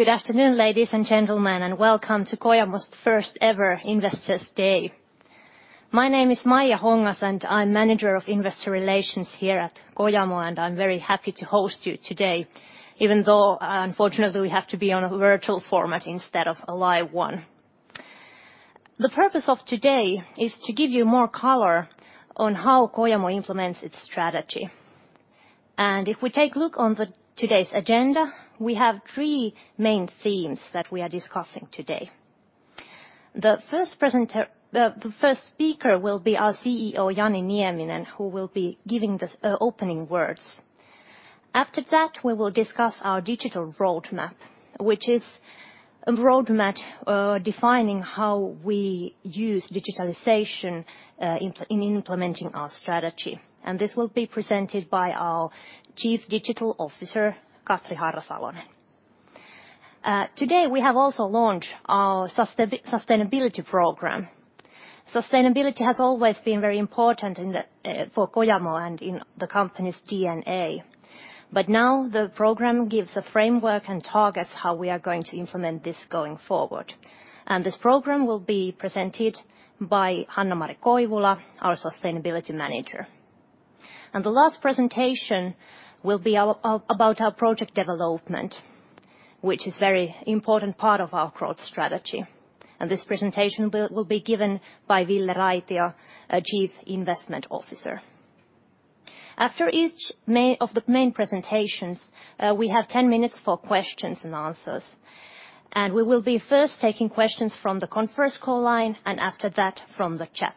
Good afternoon, ladies and gentlemen, and welcome to Kojamo's first-ever Investors' Day. My name is Maija Hongas, and I'm Manager of Investor Relations here at Kojamo, and I'm very happy to host you today, even though, unfortunately, we have to be on a virtual format instead of a live one. The purpose of today is to give you more color on how Kojamo implements its strategy. If we take a look on today's agenda, we have three main themes that we are discussing today. The first speaker will be our CEO, Jani Nieminen, who will be giving the opening words. After that, we will discuss our digital roadmap, which is a roadmap defining how we use digitalization in implementing our strategy. This will be presented by our Chief Digital Officer, Katri Harra-Salonen. Today, we have also launched our sustainability program. Sustainability has always been very important for Kojamo and in the company's DNA. Now the program gives a framework and targets how we are going to implement this going forward. This program will be presented by Hannamari Koivula, our Sustainability Manager. The last presentation will be about our project development, which is a very important part of our growth strategy. This presentation will be given by Ville Raitio, Chief Investment Officer. After each of the main presentations, we have 10 minutes for questions and answers. We will be first taking questions from the conference call line and after that from the chat.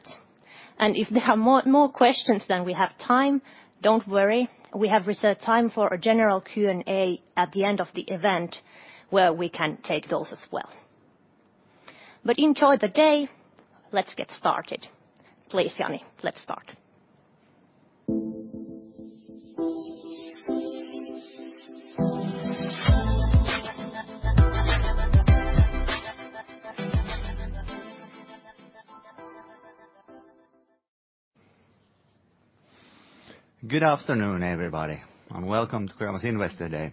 If there are more questions than we have time, do not worry. We have reserved time for a general Q&A at the end of the event, where we can take those as well. Enjoy the day. Let's get started. Please, Jani, let's start. Good afternoon, everybody, and welcome to Kojamo's Investor Day.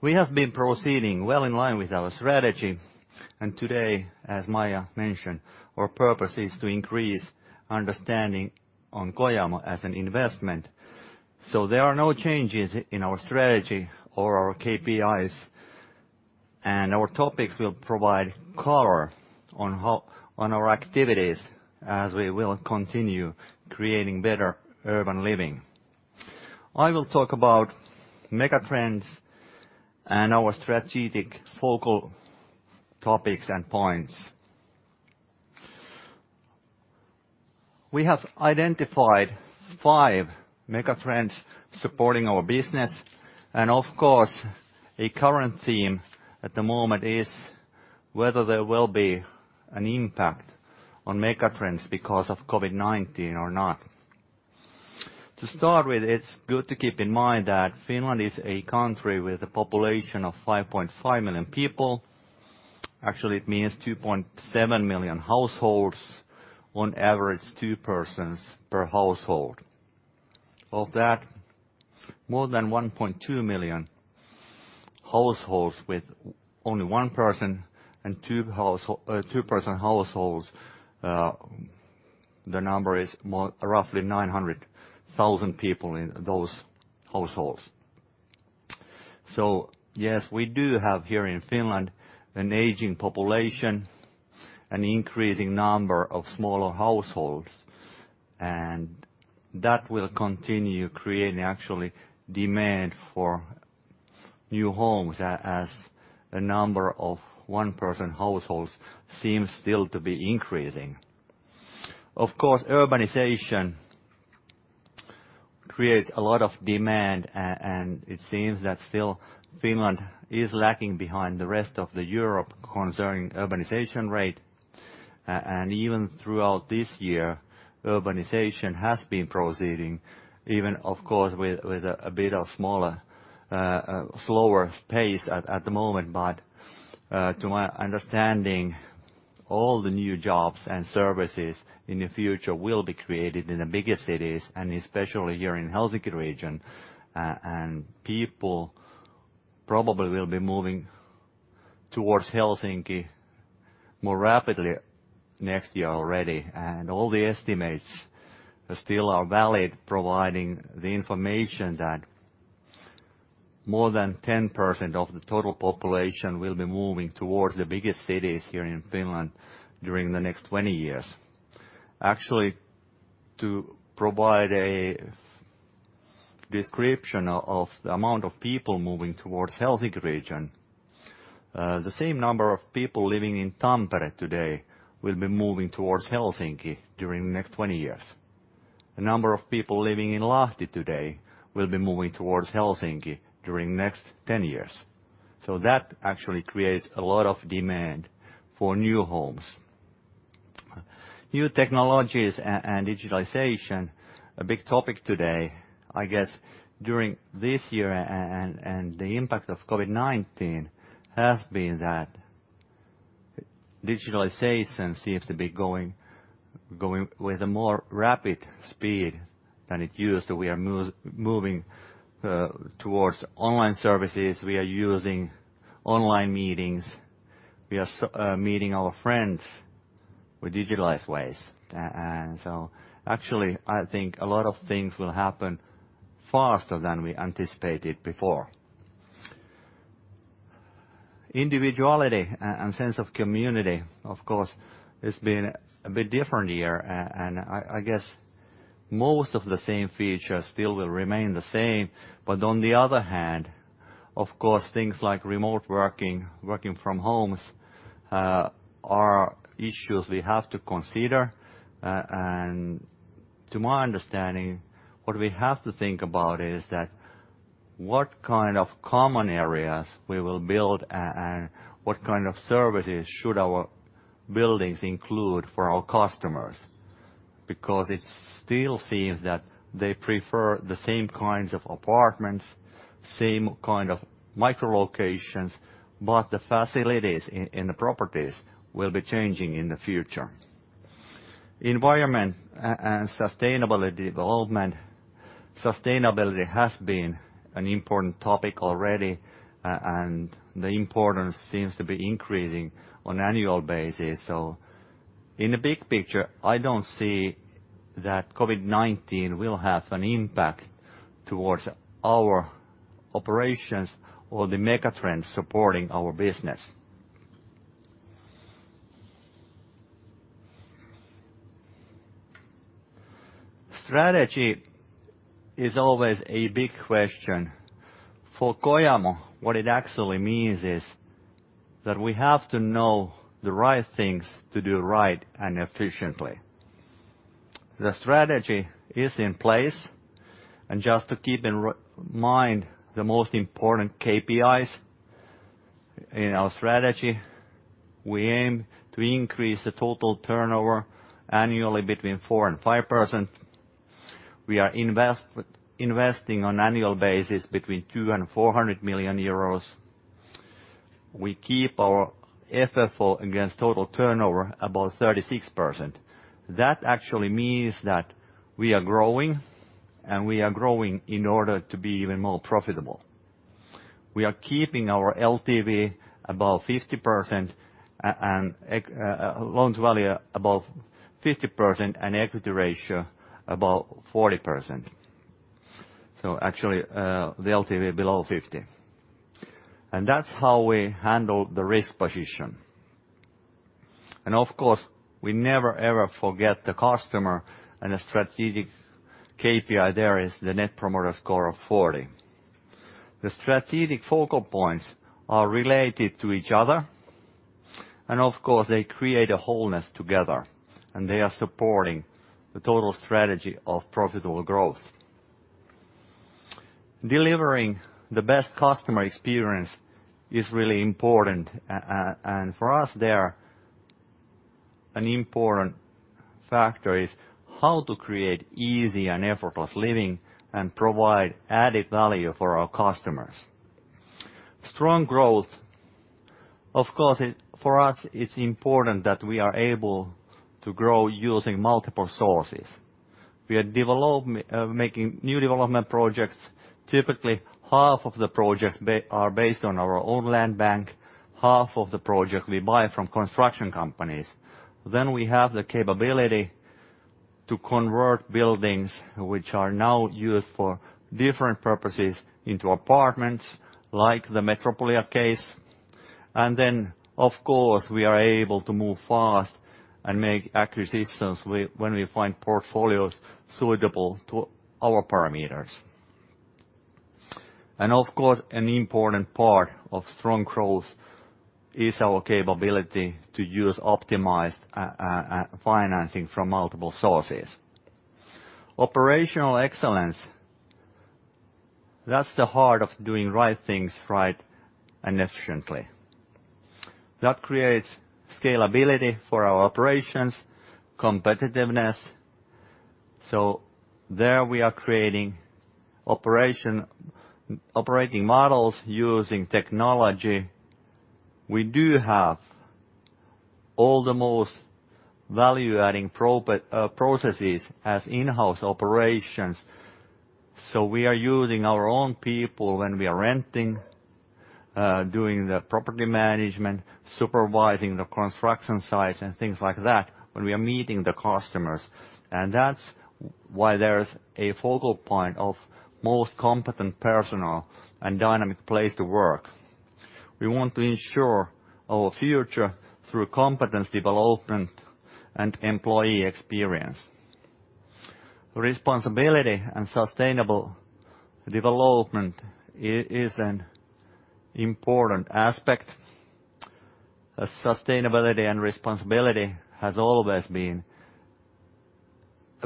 We have been proceeding well in line with our strategy. Today, as Maija mentioned, our purpose is to increase understanding on Kojamo as an investment. There are no changes in our strategy or our KPIs. Our topics will provide color on our activities as we will continue creating better urban living. I will talk about megatrends and our strategic focal topics and points. We have identified five megatrends supporting our business. A current theme at the moment is whether there will be an impact on megatrends because of COVID-19 or not. To start with, it's good to keep in mind that Finland is a country with a population of 5.5 million people. Actually, it means 2.7 million households on average, two persons per household. Of that, more than 1.2 million households with only one person and two person households, the number is roughly 900,000 people in those households. Yes, we do have here in Finland an aging population and an increasing number of smaller households. That will continue creating actually demand for new homes as the number of one person households seems still to be increasing. Of course, urbanization creates a lot of demand, and it seems that still Finland is lagging behind the rest of Europe concerning urbanization rate. Even throughout this year, urbanization has been proceeding, even of course with a bit of slower pace at the moment. To my understanding, all the new jobs and services in the future will be created in the biggest cities, and especially here in the Helsinki region. People probably will be moving towards Helsinki more rapidly next year already. All the estimates still are valid, providing the information that more than 10% of the total population will be moving towards the biggest cities here in Finland during the next 20 years. Actually, to provide a description of the amount of people moving towards the Helsinki region, the same number of people living in Tampere today will be moving towards Helsinki during the next 20 years. The number of people living in Lahti today will be moving towards Helsinki during the next 10 years. That actually creates a lot of demand for new homes. New technologies and digitalization, a big topic today, I guess, during this year and the impact of COVID-19 has been that digitalization seems to be going with a more rapid speed than it used to. We are moving towards online services. We are using online meetings. We are meeting our friends with digitalized ways. Actually, I think a lot of things will happen faster than we anticipated before. Individuality and sense of community, of course, has been a bit different here. I guess most of the same features still will remain the same. On the other hand, of course, things like remote working, working from homes are issues we have to consider. To my understanding, what we have to think about is what kind of common areas we will build and what kind of services should our buildings include for our customers. It still seems that they prefer the same kinds of apartments, same kind of micro-locations, but the facilities in the properties will be changing in the future. Environment and sustainability development, sustainability has been an important topic already, and the importance seems to be increasing on an annual basis. In the big picture, I don't see that COVID-19 will have an impact towards our operations or the megatrends supporting our business. Strategy is always a big question. For Kojamo, what it actually means is that we have to know the right things to do right and efficiently. The strategy is in place. Just to keep in mind the most important KPIs in our strategy, we aim to increase the total turnover annually between 4% and 5%. We are investing on an annual basis between 200 million and 400 million euros. We keep our FFO against total turnover about 36%. That actually means that we are growing, and we are growing in order to be even more profitable. We are keeping our LTV above 50% and loan value above 50% and equity ratio above 40%. Actually, the LTV below 50. That is how we handle the risk position. Of course, we never ever forget the customer, and the strategic KPI there is the net promoter score of 40. The strategic focal points are related to each other, and they create a wholeness together. They are supporting the total strategy of profitable growth. Delivering the best customer experience is really important. For us there, an important factor is how to create easy and effortless living and provide added value for our customers. Strong growth. For us, it is important that we are able to grow using multiple sources. We are making new development projects. Typically, half of the projects are based on our own land bank. Half of the projects we buy from construction companies. We have the capability to convert buildings, which are now used for different purposes, into apartments like the Metropolia case. Of course, we are able to move fast and make acquisitions when we find portfolios suitable to our parameters. An important part of strong growth is our capability to use optimized financing from multiple sources. Operational excellence is the heart of doing right things right and efficiently. That creates scalability for our operations and competitiveness. We are creating operating models using technology. We do have all the most value-adding processes as in-house operations. We are using our own people when we are renting, doing the property management, supervising the construction sites, and things like that when we are meeting the customers. That is why there is a focal point of most competent personnel and a dynamic place to work. We want to ensure our future through competence development and employee experience. Responsibility and sustainable development is an important aspect. Sustainability and responsibility has always been a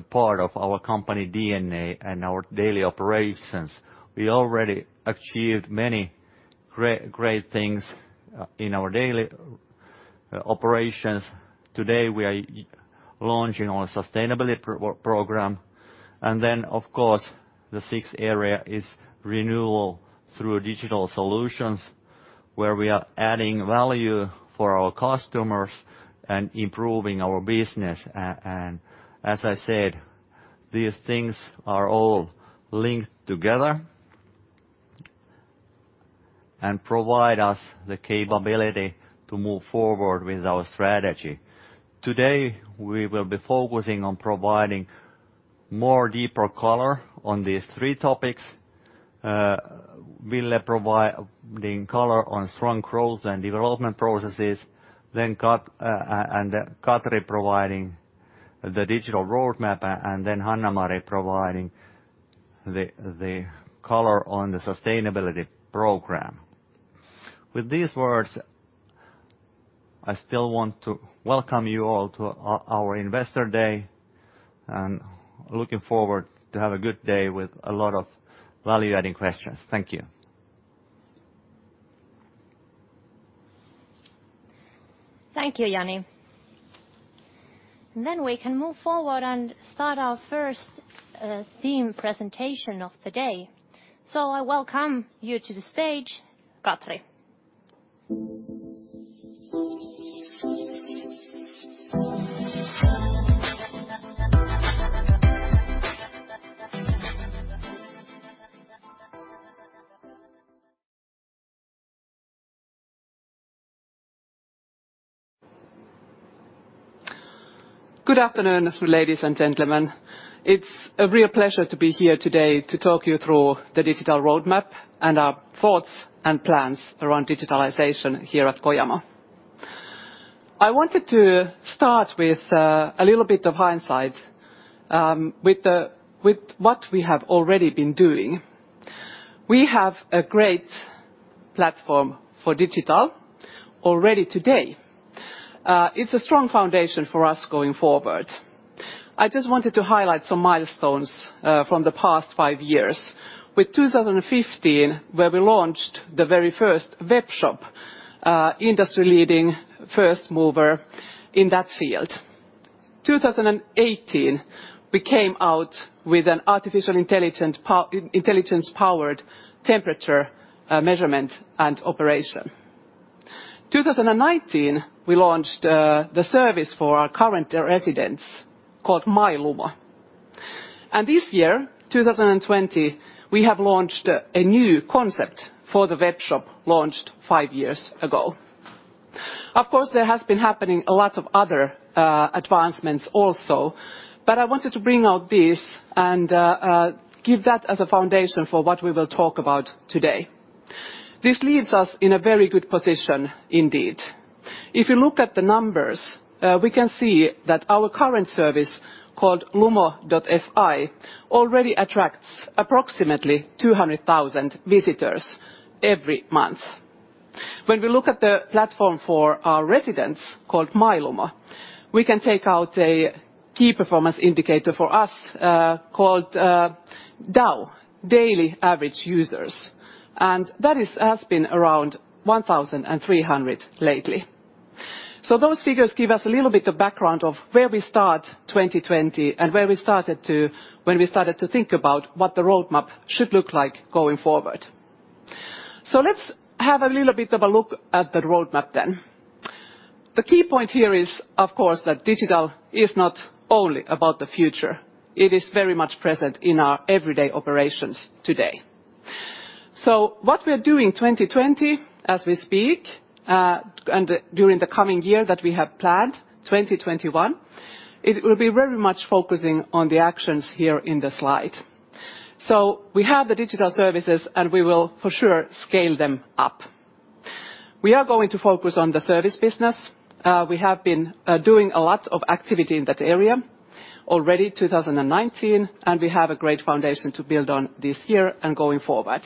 part of our company DNA and our daily operations. We already achieved many great things in our daily operations. Today, we are launching our sustainability program. The sixth area is renewal through digital solutions, where we are adding value for our customers and improving our business. As I said, these things are all linked together and provide us the capability to move forward with our strategy. Today, we will be focusing on providing more deeper color on these three topics. Ville providing color on strong growth and development processes, then Katri providing the digital roadmap, and then Hannamari providing the color on the sustainability program. With these words, I still want to welcome you all to our Investor Day. I am looking forward to have a good day with a lot of value-adding questions. Thank you. Thank you, Jani. We can move forward and start our first theme presentation of the day. I welcome you to the stage, Katri. Good afternoon, ladies and gentlemen. It's a real pleasure to be here today to talk you through the digital roadmap and our thoughts and plans around digitalization here at Kojamo. I wanted to start with a little bit of hindsight with what we have already been doing. We have a great platform for digital already today. It's a strong foundation for us going forward. I just wanted to highlight some milestones from the past five years, with 2015, where we launched the very first web shop, industry-leading first mover in that field. In 2018, we came out with an artificial intelligence-powered temperature measurement and operation. In 2019, we launched the service for our current residents called My Lumo. And this year, 2020, we have launched a new concept for the web shop launched five years ago. Of course, there has been happening a lot of other advancements also, but I wanted to bring out this and give that as a foundation for what we will talk about today. This leaves us in a very good position indeed. If you look at the numbers, we can see that our current service called Lumo.fi already attracts approximately 200,000 visitors every month. When we look at the platform for our residents called My Lumo, we can take out a key performance indicator for us called DAU, daily active users. And that has been around 1,300 lately. Those figures give us a little bit of background of where we start 2020 and where we started to when we started to think about what the roadmap should look like going forward. Let's have a little bit of a look at the roadmap then. The key point here is, of course, that digital is not only about the future. It is very much present in our everyday operations today. What we are doing 2020 as we speak and during the coming year that we have planned, 2021, it will be very much focusing on the actions here in the slide. We have the digital services, and we will for sure scale them up. We are going to focus on the service business. We have been doing a lot of activity in that area already 2019, and we have a great foundation to build on this year and going forward.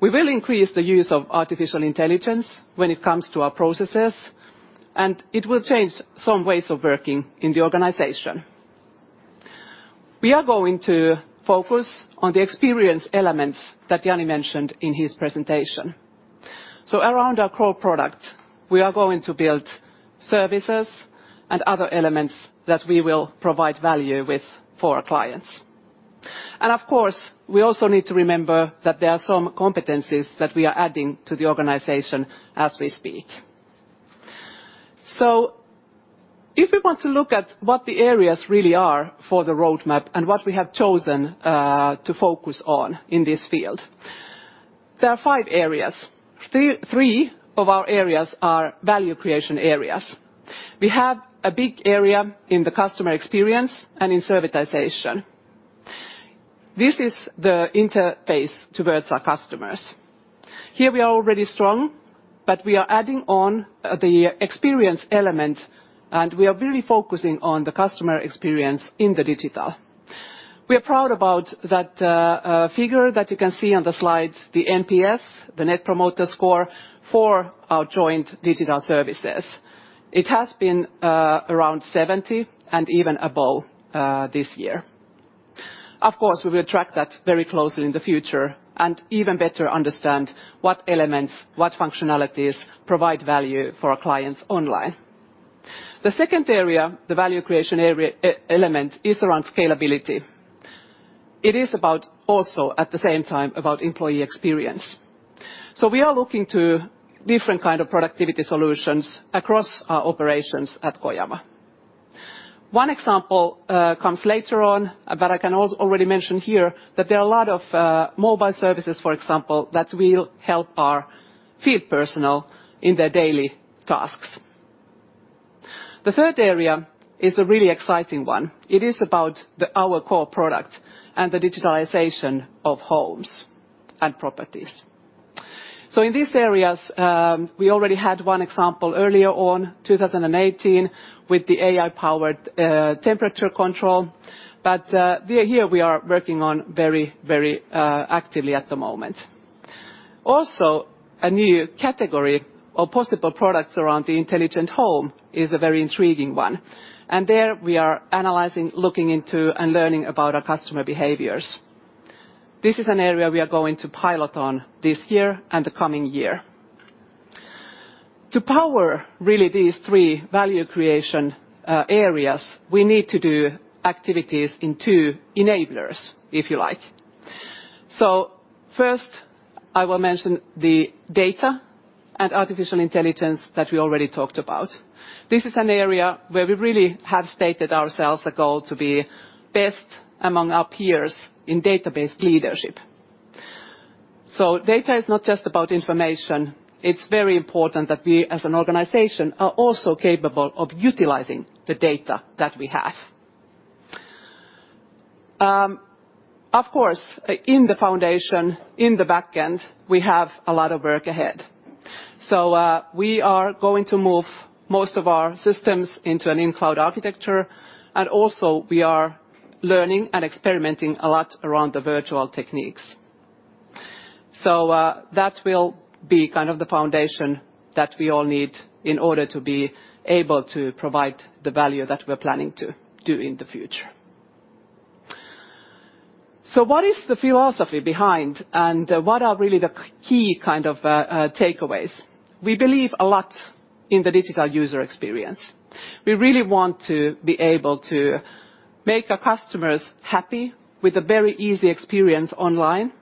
We will increase the use of artificial intelligence when it comes to our processes, and it will change some ways of working in the organization. We are going to focus on the experience elements that Jani mentioned in his presentation. Around our core product, we are going to build services and other elements that we will provide value with for our clients. Of course, we also need to remember that there are some competencies that we are adding to the organization as we speak. If we want to look at what the areas really are for the roadmap and what we have chosen to focus on in this field, there are five areas. Three of our areas are value creation areas. We have a big area in the customer experience and in servitization. This is the interface towards our customers. Here we are already strong, but we are adding on the experience element, and we are really focusing on the customer experience in the digital. We are proud about that figure that you can see on the slide, the NPS, the net promoter score for our joint digital services. It has been around 70 and even above this year. Of course, we will track that very closely in the future and even better understand what elements, what functionalities provide value for our clients online. The second area, the value creation element, is around scalability. It is about also at the same time about employee experience. We are looking to different kinds of productivity solutions across our operations at Kojamo. One example comes later on, but I can already mention here that there are a lot of mobile services, for example, that will help our field personnel in their daily tasks. The third area is a really exciting one. It is about our core product and the digitalization of homes and properties. In these areas, we already had one example earlier on, 2018, with the AI-powered temperature control. Here we are working very, very actively at the moment. Also, a new category of possible products around the intelligent home is a very intriguing one. There we are analyzing, looking into, and learning about our customer behaviors. This is an area we are going to pilot on this year and the coming year. To power really these three value creation areas, we need to do activities in two enablers, if you like. First, I will mention the data and artificial intelligence that we already talked about. This is an area where we really have stated ourselves a goal to be best among our peers in database leadership. Data is not just about information. It's very important that we as an organization are also capable of utilizing the data that we have. Of course, in the foundation, in the backend, we have a lot of work ahead. We are going to move most of our systems into an in-cloud architecture. Also, we are learning and experimenting a lot around the virtual techniques. That will be kind of the foundation that we all need in order to be able to provide the value that we're planning to do in the future. What is the philosophy behind and what are really the key kind of takeaways? We believe a lot in the digital user experience. We really want to be able to make our customers happy with a very easy experience online.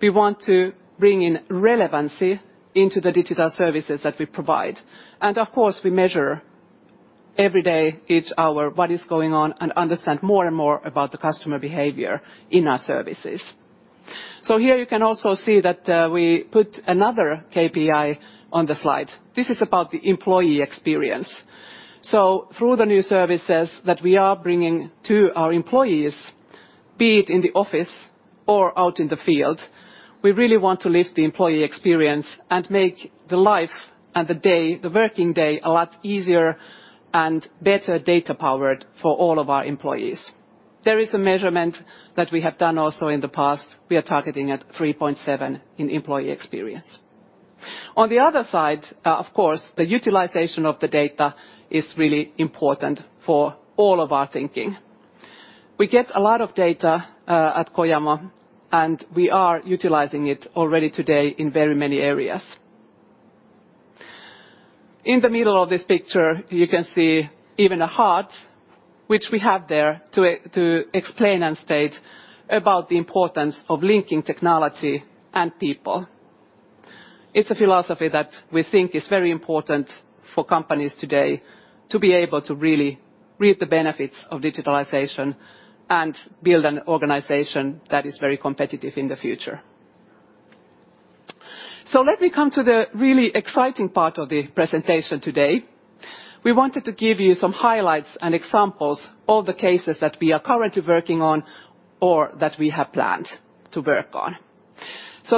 We want to bring in relevancy into the digital services that we provide. Of course, we measure every day, each hour, what is going on and understand more and more about the customer behavior in our services. Here you can also see that we put another KPI on the slide. This is about the employee experience. Through the new services that we are bringing to our employees, be it in the office or out in the field, we really want to lift the employee experience and make the life and the day, the working day, a lot easier and better data-powered for all of our employees. There is a measurement that we have done also in the past. We are targeting at 3.7 in employee experience. On the other side, the utilization of the data is really important for all of our thinking. We get a lot of data at Kojamo, and we are utilizing it already today in very many areas. In the middle of this picture, you can see even a heart, which we have there to explain and state about the importance of linking technology and people. It is a philosophy that we think is very important for companies today to be able to really reap the benefits of digitalization and build an organization that is very competitive in the future. Let me come to the really exciting part of the presentation today. We wanted to give you some highlights and examples of the cases that we are currently working on or that we have planned to work on.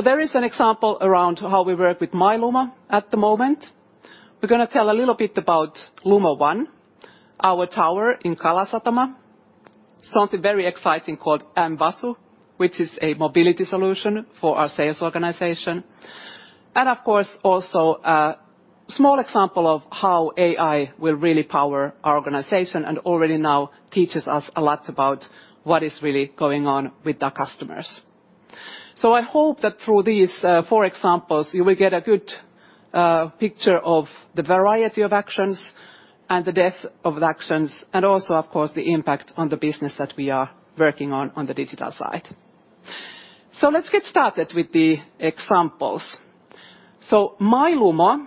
There is an example around how we work with My Lumo at the moment. We're going to tell a little bit about Lumo One, our tower in Kalasatama, something very exciting called mVasu, which is a mobility solution for our sales organization. Of course, also a small example of how AI will really power our organization and already now teaches us a lot about what is really going on with our customers. I hope that through these four examples, you will get a good picture of the variety of actions and the depth of actions and also, of course, the impact on the business that we are working on on the digital side. Let's get started with the examples. My Lumo,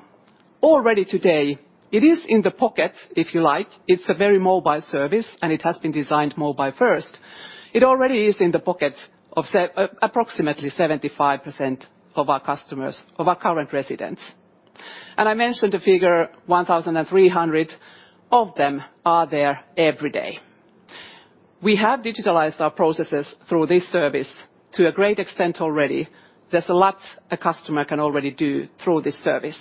already today, it is in the pocket, if you like. It's a very mobile service, and it has been designed mobile first. It already is in the pocket of approximately 75% of our customers, of our current residents. I mentioned the figure, 1,300 of them are there every day. We have digitalized our processes through this service to a great extent already. There is a lot a customer can already do through this service.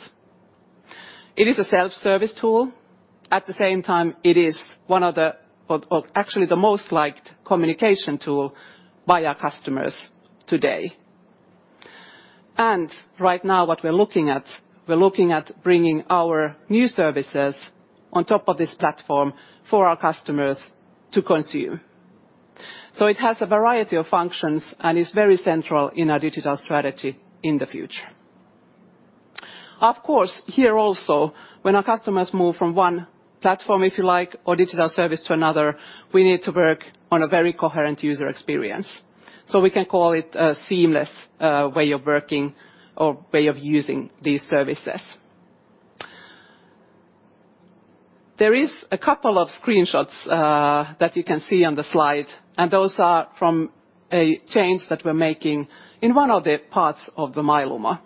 It is a self-service tool. At the same time, it is one of the, or actually the most liked communication tool by our customers today. Right now, what we are looking at, we are looking at bringing our new services on top of this platform for our customers to consume. It has a variety of functions and is very central in our digital strategy in the future. Of course, here also, when our customers move from one platform, if you like, or digital service to another, we need to work on a very coherent user experience. We can call it a seamless way of working or way of using these services. There are a couple of screenshots that you can see on the slide, and those are from a change that we're making in one of the parts of My Lumo.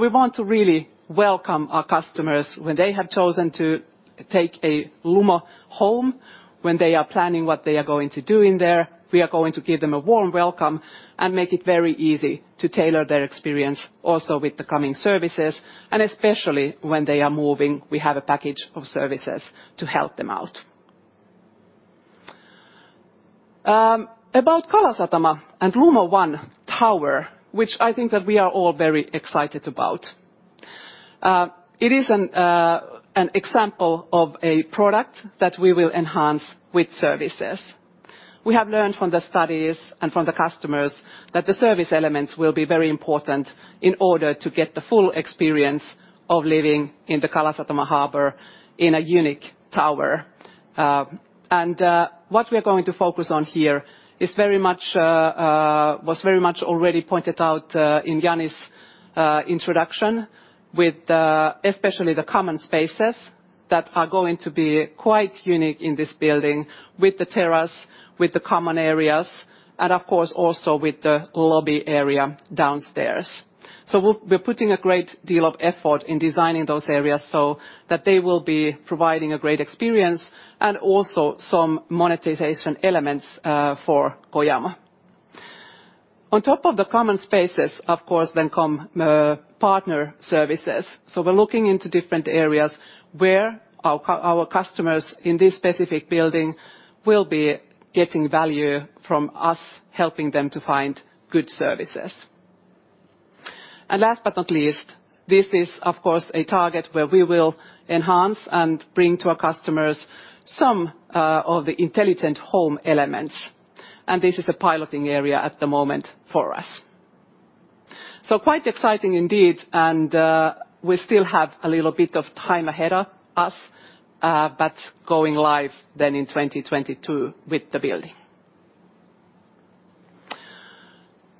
We want to really welcome our customers when they have chosen to take a Lumo home, when they are planning what they are going to do in there. We are going to give them a warm welcome and make it very easy to tailor their experience also with the coming services. Especially when they are moving, we have a package of services to help them out. About Kalasatama and Lumo One Tower, which I think that we are all very excited about. It is an example of a product that we will enhance with services. We have learned from the studies and from the customers that the service elements will be very important in order to get the full experience of living in the Kalasatama Harbor in a unique tower. What we are going to focus on here is very much, was very much already pointed out in Jani's introduction, with especially the common spaces that are going to be quite unique in this building with the terrace, with the common areas, and of course also with the lobby area downstairs. We are putting a great deal of effort in designing those areas so that they will be providing a great experience and also some monetization elements for Kojamo. On top of the common spaces, of course, then come partner services. We're looking into different areas where our customers in this specific building will be getting value from us helping them to find good services. Last but not least, this is of course a target where we will enhance and bring to our customers some of the intelligent home elements. This is a piloting area at the moment for us. Quite exciting indeed, and we still have a little bit of time ahead of us, but going live then in 2022 with the building.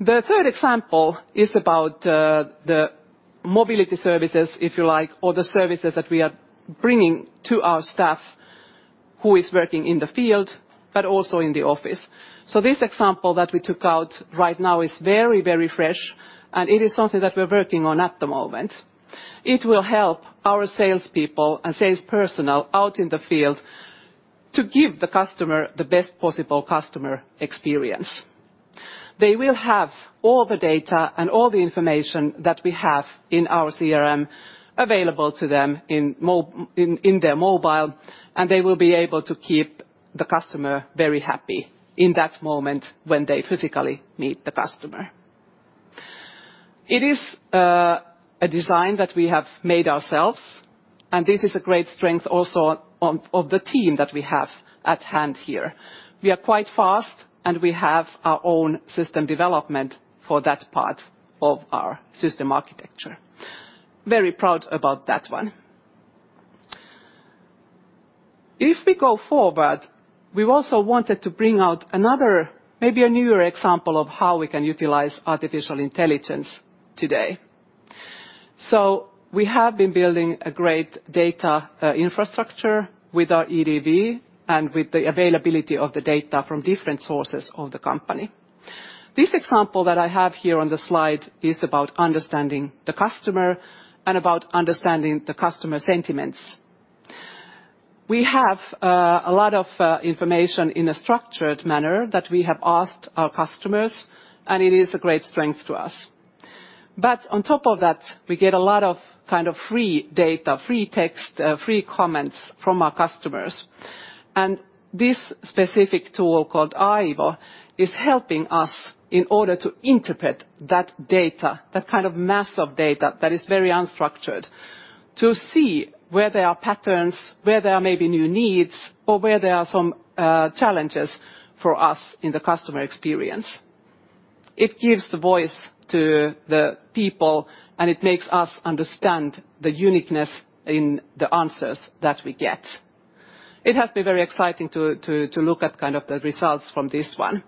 The third example is about the mobility services, if you like, or the services that we are bringing to our staff who is working in the field, but also in the office. This example that we took out right now is very, very fresh, and it is something that we're working on at the moment. It will help our salespeople and sales personnel out in the field to give the customer the best possible customer experience. They will have all the data and all the information that we have in our CRM available to them in their mobile, and they will be able to keep the customer very happy in that moment when they physically meet the customer. It is a design that we have made ourselves, and this is a great strength also of the team that we have at hand here. We are quite fast, and we have our own system development for that part of our system architecture. Very proud about that one. If we go forward, we also wanted to bring out another, maybe a newer example of how we can utilize artificial intelligence today. We have been building a great data infrastructure with our EDV and with the availability of the data from different sources of the company. This example that I have here on the slide is about understanding the customer and about understanding the customer sentiments. We have a lot of information in a structured manner that we have asked our customers, and it is a great strength to us. On top of that, we get a lot of kind of free data, free text, free comments from our customers. This specific tool called Aivo is helping us in order to interpret that data, that kind of mass of data that is very unstructured, to see where there are patterns, where there are maybe new needs, or where there are some challenges for us in the customer experience. It gives the voice to the people, and it makes us understand the uniqueness in the answers that we get. It has been very exciting to look at kind of the results from this one.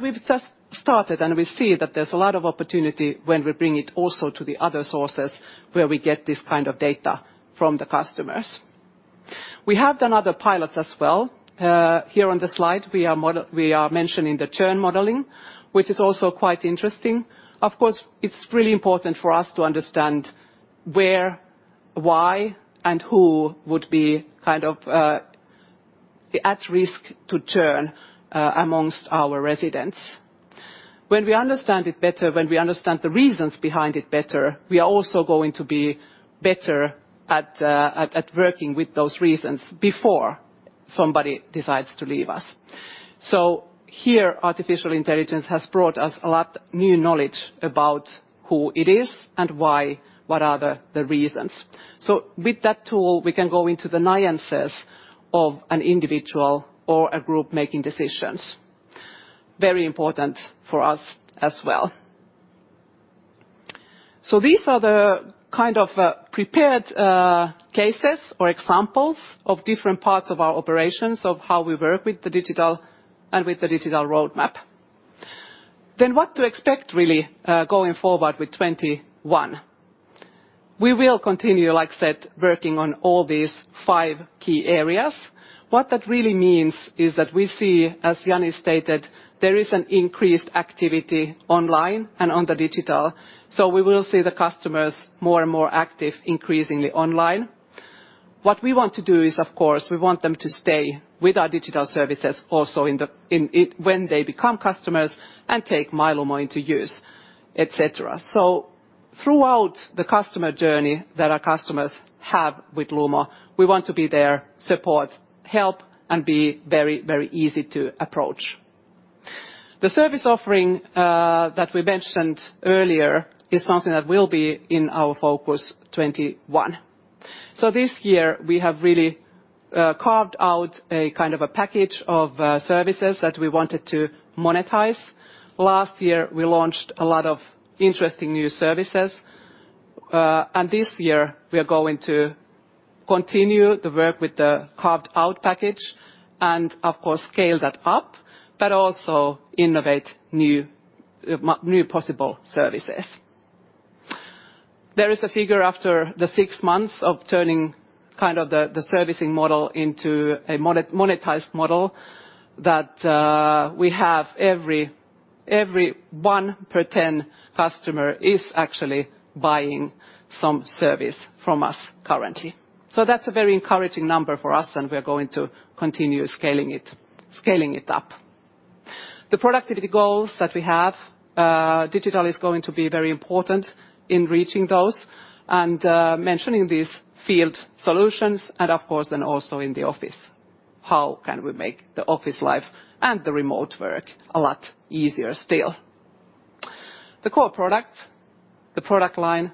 We have just started, and we see that there is a lot of opportunity when we bring it also to the other sources where we get this kind of data from the customers. We have done other pilots as well. Here on the slide, we are mentioning the churn modeling, which is also quite interesting. Of course, it is really important for us to understand where, why, and who would be kind of at risk to churn amongst our residents. When we understand it better, when we understand the reasons behind it better, we are also going to be better at working with those reasons before somebody decides to leave us. Here, artificial intelligence has brought us a lot of new knowledge about who it is and why, what are the reasons. With that tool, we can go into the nuances of an individual or a group making decisions. Very important for us as well. These are the kind of prepared cases or examples of different parts of our operations of how we work with the digital and with the digital roadmap. What to expect really going forward with 2021? We will continue, like I said, working on all these five key areas. What that really means is that we see, as Jani stated, there is an increased activity online and on the digital. We will see the customers more and more active increasingly online. What we want to do is, of course, we want them to stay with our digital services also when they become customers and take My Lumo into use, etc. Throughout the customer journey that our customers have with Lumo, we want to be there, support, help, and be very, very easy to approach. The service offering that we mentioned earlier is something that will be in our focus 2021. This year, we have really carved out a kind of a package of services that we wanted to monetize. Last year, we launched a lot of interesting new services. This year, we are going to continue the work with the carved out package and, of course, scale that up, but also innovate new possible services. There is a figure after the six months of turning kind of the servicing model into a monetized model that we have every one per 10 customers is actually buying some service from us currently. That is a very encouraging number for us, and we are going to continue scaling it up. The productivity goals that we have, digital is going to be very important in reaching those and mentioning these field solutions, and of course, then also in the office, how can we make the office life and the remote work a lot easier still. The core product, the product line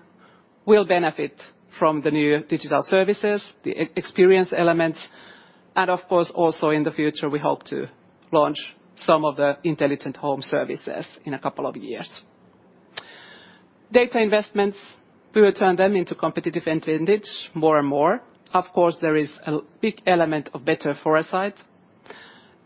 will benefit from the new digital services, the experience elements, and of course, also in the future, we hope to launch some of the intelligent home services in a couple of years. Data investments, we will turn them into competitive advantage more and more. Of course, there is a big element of better foresight.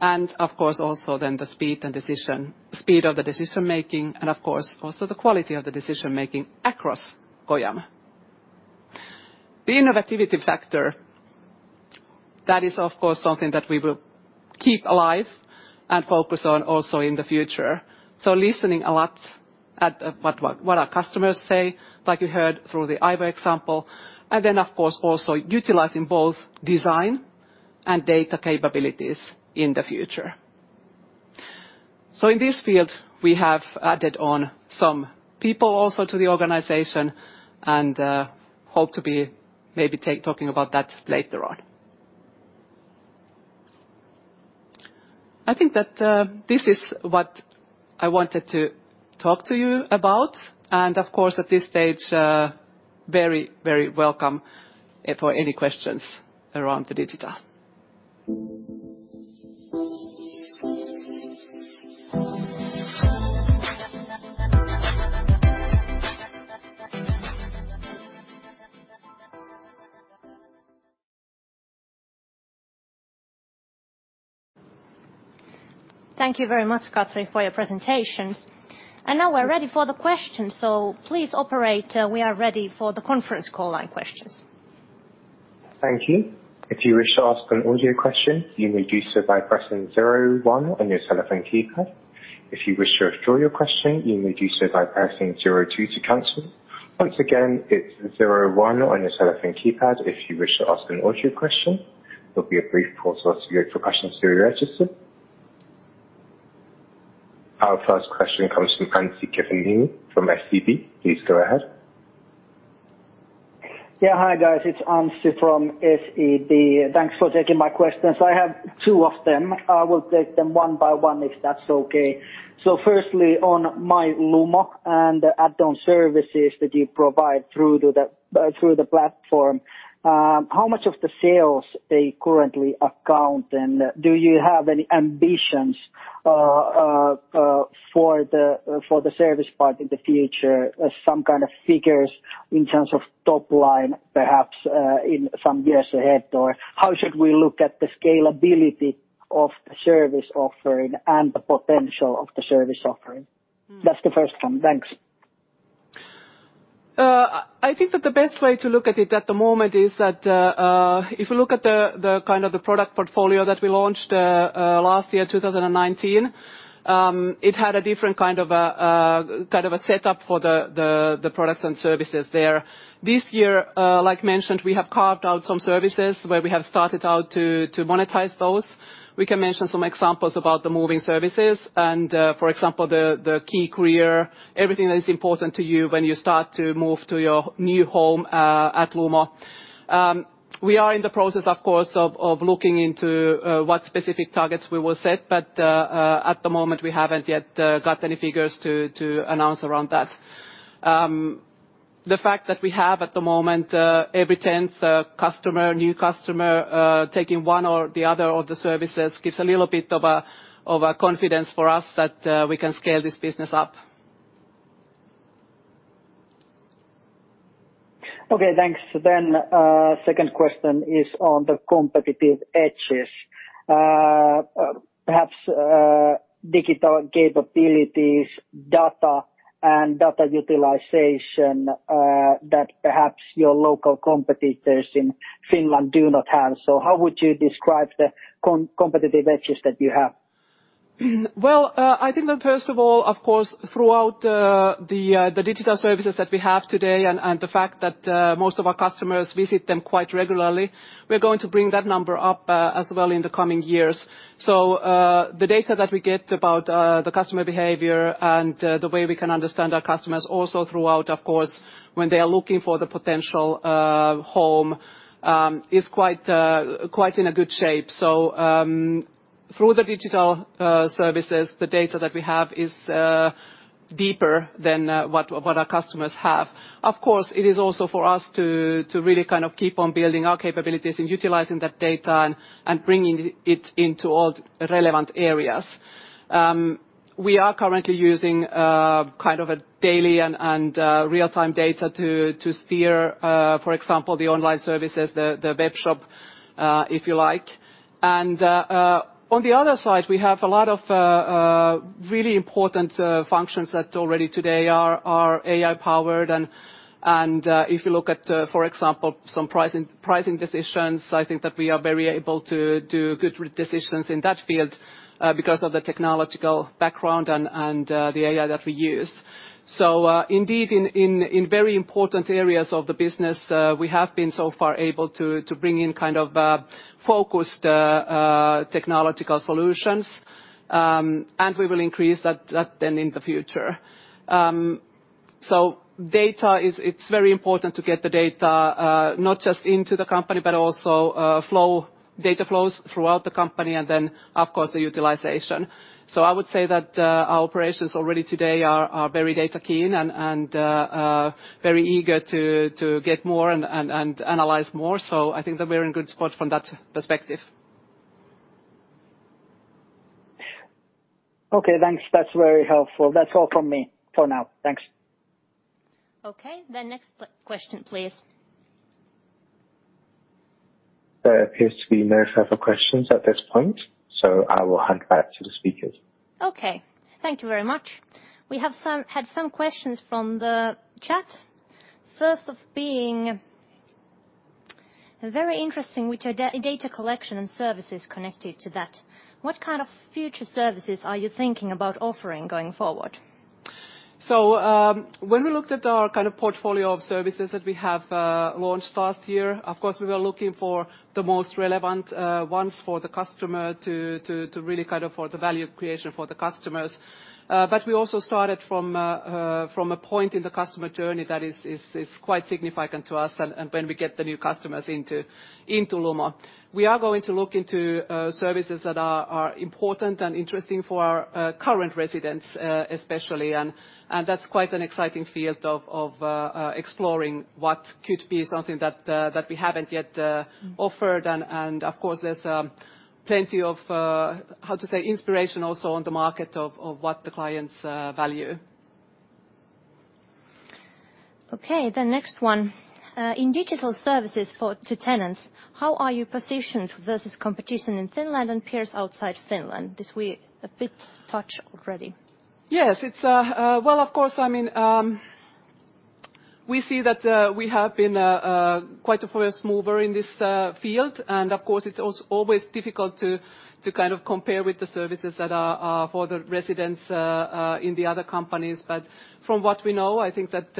Of course, also the speed and decision, speed of the decision making, and of course, also the quality of the decision making across Kojamo. The innovativity factor, that is of course something that we will keep alive and focus on also in the future. Listening a lot at what our customers say, like you heard through the Aivo example, and then of course also utilizing both design and data capabilities in the future. In this field, we have added on some people also to the organization and hope to be maybe talking about that later on. I think that this is what I wanted to talk to you about. At this stage, very, very welcome for any questions around the digital. Thank you very much, Katri, for your presentations. Now we're ready for the questions. Please operator, we are ready for the conference call line questions. Thank you. If you wish to ask an audio question, you may do so by pressing zero one on your telephone keypad. If you wish to withdraw your question, you may do so by pressing zero two to cancel. Once again, it's zero one on your telephone keypad if you wish to ask an audio question. There will be a brief pause whilst you wait for questions to be registered. Our first question comes from Anssi Kiviniemi from SEB. Please go ahead. Yeah, hi guys. It's Anssi from SEB. Thanks for taking my questions. I have two of them. I will take them one by one if that's okay. Firstly, on My Lumo and the add-on services that you provide through the platform, how much of the sales do they currently account for? Do you have any ambitions for the service part in the future, some kind of figures in terms of top line perhaps in some years ahead, or how should we look at the scalability of the service offering and the potential of the service offering? That's the first one. Thanks. I think that the best way to look at it at the moment is that if you look at the kind of the product portfolio that we launched last year, 2019, it had a different kind of a setup for the products and services there. This year, like mentioned, we have carved out some services where we have started out to monetize those. We can mention some examples about the moving services and, for example, the key courier, everything that is important to you when you start to move to your new home at Lumo. We are in the process, of course, of looking into what specific targets we will set, but at the moment, we have not yet got any figures to announce around that. The fact that we have at the moment every 10th customer, new customer, taking one or the other of the services gives a little bit of confidence for us that we can scale this business up. Okay, thanks. The second question is on the competitive edges. Perhaps digital capabilities, data, and data utilization that perhaps your local competitors in Finland do not have. How would you describe the competitive edges that you have? I think that first of all, of course, throughout the digital services that we have today and the fact that most of our customers visit them quite regularly, we are going to bring that number up as well in the coming years. The data that we get about the customer behavior and the way we can understand our customers also throughout, of course, when they are looking for the potential home is quite in good shape. Through the digital services, the data that we have is deeper than what our customers have. Of course, it is also for us to really kind of keep on building our capabilities and utilizing that data and bringing it into all relevant areas. We are currently using kind of a daily and real-time data to steer, for example, the online services, the web shop, if you like. On the other side, we have a lot of really important functions that already today are AI-powered. If you look at, for example, some pricing decisions, I think that we are very able to do good decisions in that field because of the technological background and the AI that we use. Indeed, in very important areas of the business, we have been so far able to bring in kind of focused technological solutions, and we will increase that in the future. Data, it's very important to get the data not just into the company, but also data flows throughout the company and then, of course, the utilization. I would say that our operations already today are very data-keen and very eager to get more and analyze more. I think that we're in a good spot from that perspective. Okay, thanks. That's very helpful. That's all from me for now. Thanks. Okay, next question, please. There appears to be no further questions at this point, so I will hand back to the speakers. Okay, thank you very much. We have had some questions from the chat. First of being very interesting with your data collection and services connected to that. What kind of future services are you thinking about offering going forward? When we looked at our kind of portfolio of services that we have launched last year, of course, we were looking for the most relevant ones for the customer to really kind of for the value creation for the customers. We also started from a point in the customer journey that is quite significant to us when we get the new customers into Lumo. We are going to look into services that are important and interesting for our current residents especially. That's quite an exciting field of exploring what could be something that we have not yet offered. Of course, there is plenty of, how to say, inspiration also on the market of what the clients value. Okay, next one. In digital services to tenants, how are you positioned versus competition in Finland and peers outside Finland? This we a bit touched already. Yes, of course, I mean, we see that we have been quite a first mover in this field. Of course, it is always difficult to kind of compare with the services that are for the residents in the other companies. From what we know, I think that,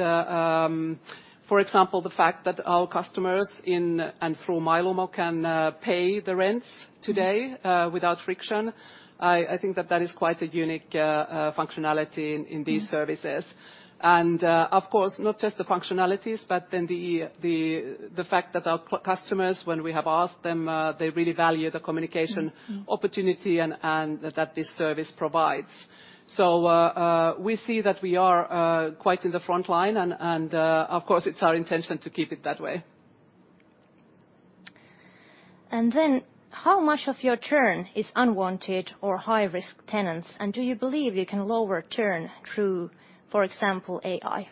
for example, the fact that our customers in and through My Lumo can pay the rents today without friction, I think that that is quite a unique functionality in these services. Of course, not just the functionalities, but the fact that our customers, when we have asked them, they really value the communication opportunity that this service provides. We see that we are quite in the front line. It is our intention to keep it that way. How much of your churn is unwanted or high-risk tenants? Do you believe you can lower churn through, for example, AI?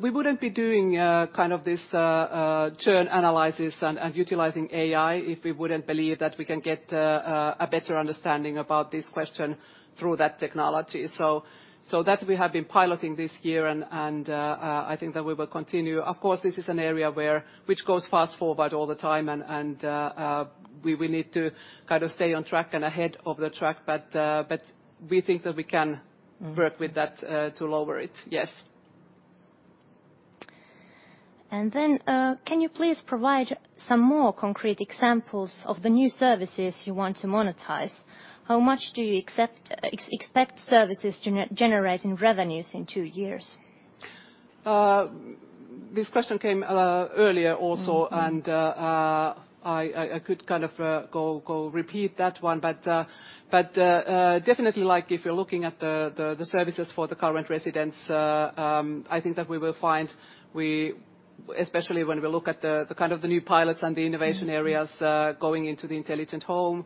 We would not be doing this churn analysis and utilizing AI if we did not believe that we can get a better understanding about this question through that technology. We have been piloting this year, and I think that we will continue. This is an area which goes fast forward all the time, and we need to stay on track and ahead of the track. We think that we can work with that to lower it, yes. Can you please provide some more concrete examples of the new services you want to monetize? How much do you expect services to generate in revenues in two years? This question came earlier also, and I could kind of go repeat that one. Definitely, like if you're looking at the services for the current residents, I think that we will find, especially when we look at the kind of the new pilots and the innovation areas going into the intelligent home,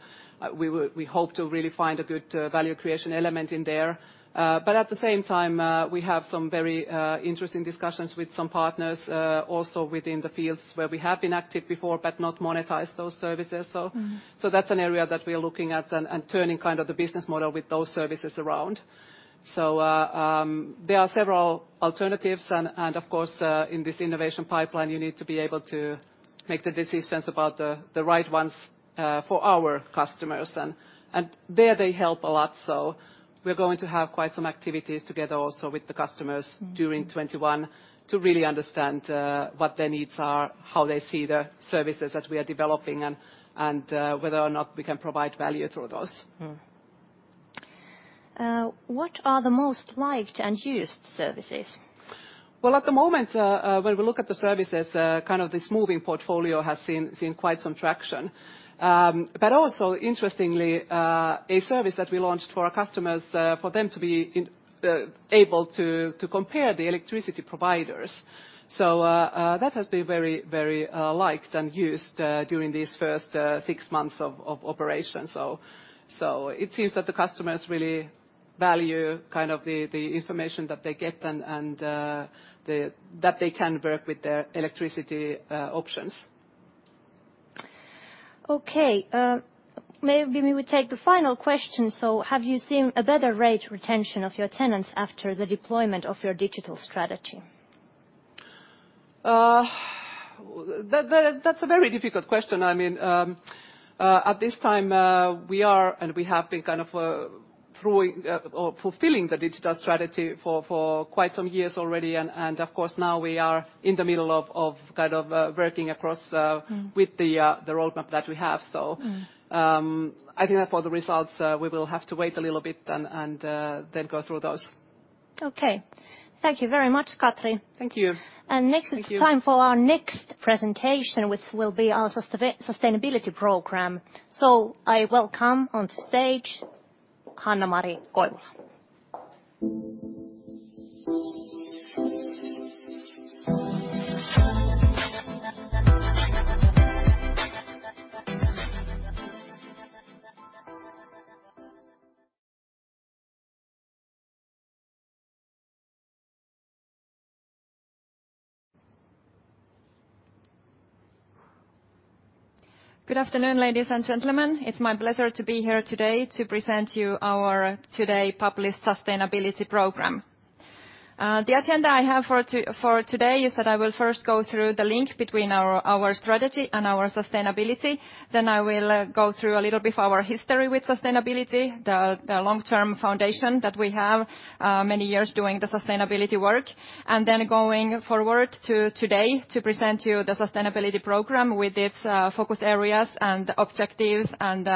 we hope to really find a good value creation element in there. At the same time, we have some very interesting discussions with some partners also within the fields where we have been active before, but not monetized those services. That is an area that we are looking at and turning kind of the business model with those services around. There are several alternatives. Of course, in this innovation pipeline, you need to be able to make the decisions about the right ones for our customers. They help a lot. We are going to have quite some activities together also with the customers during 2021 to really understand what their needs are, how they see the services that we are developing, and whether or not we can provide value through those. What are the most liked and used services? At the moment, when we look at the services, kind of this moving portfolio has seen quite some traction. Also, interestingly, a service that we launched for our customers for them to be able to compare the electricity providers. That has been very, very liked and used during these first six months of operation. It seems that the customers really value kind of the information that they get and that they can work with their electricity options. Maybe we take the final question. Have you seen a better rate retention of your tenants after the deployment of your digital strategy? That is a very difficult question. I mean, at this time, we are and we have been kind of fulfilling the digital strategy for quite some years already. Of course, now we are in the middle of kind of working across with the roadmap that we have. I think that for the results, we will have to wait a little bit and then go through those. Thank you very much, Katri. Thank you. Next is time for our next presentation, which will be our sustainability program. I welcome onto stage Hannamari Koivula. Good afternoon, ladies and gentlemen. It's my pleasure to be here today to present you our today published sustainability program. The agenda I have for today is that I will first go through the link between our strategy and our sustainability. Then I will go through a little bit of our history with sustainability, the long-term foundation that we have, many years doing the sustainability work. Then going forward to today to present you the sustainability program with its focus areas and objectives and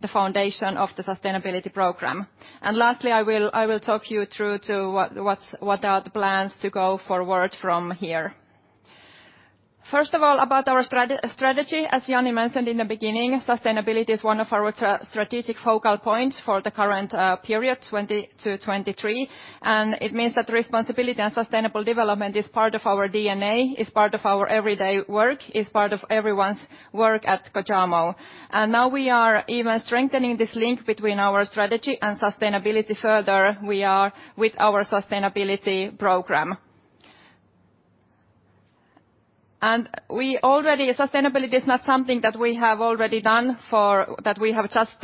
the foundation of the sustainability program. Lastly, I will talk you through to what are the plans to go forward from here. First of all, about our strategy, as Jani mentioned in the beginning, sustainability is one of our strategic focal points for the current period 2020 to 2023. It means that responsibility and sustainable development is part of our DNA, is part of our everyday work, is part of everyone's work at Kojamo. Now we are even strengthening this link between our strategy and sustainability further with our sustainability program. Sustainability is not something that we have already done that we have just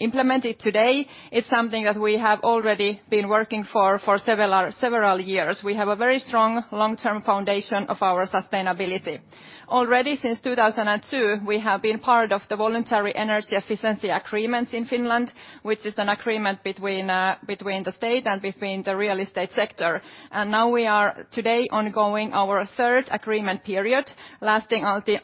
implemented today. It is something that we have already been working for several years. We have a very strong long-term foundation of our sustainability. Already since 2002, we have been part of the voluntary energy efficiency agreements in Finland, which is an agreement between the state and between the real estate sector. Now we are today ongoing our third agreement period lasting until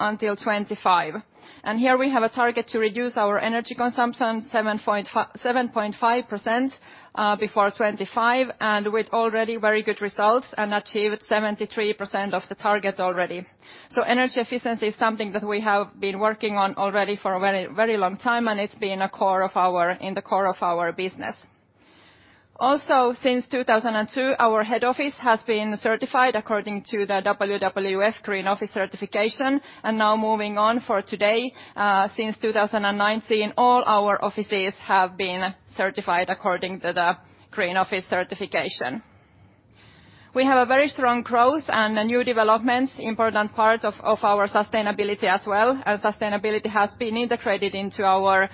2025. We have a target to reduce our energy consumption 7.5% before 2025 with already very good results and achieved 73% of the target already. Energy efficiency is something that we have been working on already for a very long time, and it has been in the core of our business. Also, since 2002, our head office has been certified according to the WWF Green Office certification. Moving on for today, since 2019, all our offices have been certified according to the Green Office certification. We have very strong growth and new developments, which are an important part of our sustainability as well. Sustainability has been integrated into our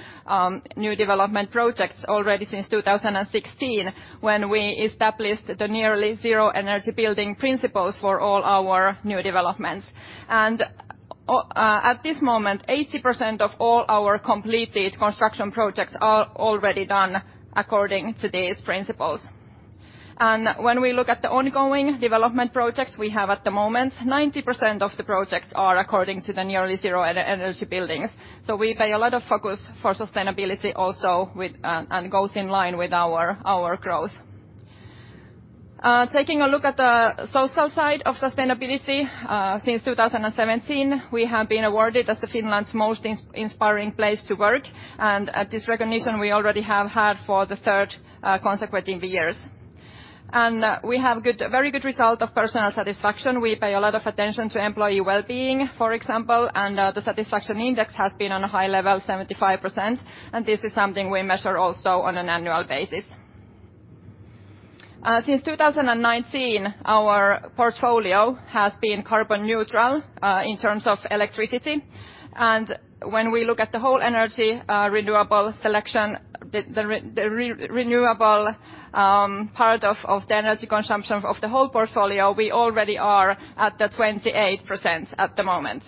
new development projects already since 2016 when we established the nearly zero energy building principles for all our new developments. At this moment, 80% of all our completed construction projects are already done according to these principles. When we look at the ongoing development projects we have at the moment, 90% of the projects are according to the nearly zero energy buildings. We pay a lot of focus for sustainability also and it goes in line with our growth. Taking a look at the social side of sustainability, since 2017, we have been awarded as Finland's most inspiring place to work. This recognition we already have had for the third consecutive years. We have very good results of personal satisfaction. We pay a lot of attention to employee well-being, for example. The satisfaction index has been on a high level, 75%. This is something we measure also on an annual basis. Since 2019, our portfolio has been carbon neutral in terms of electricity. When we look at the whole energy renewable selection, the renewable part of the energy consumption of the whole portfolio, we already are at 28% at the moment.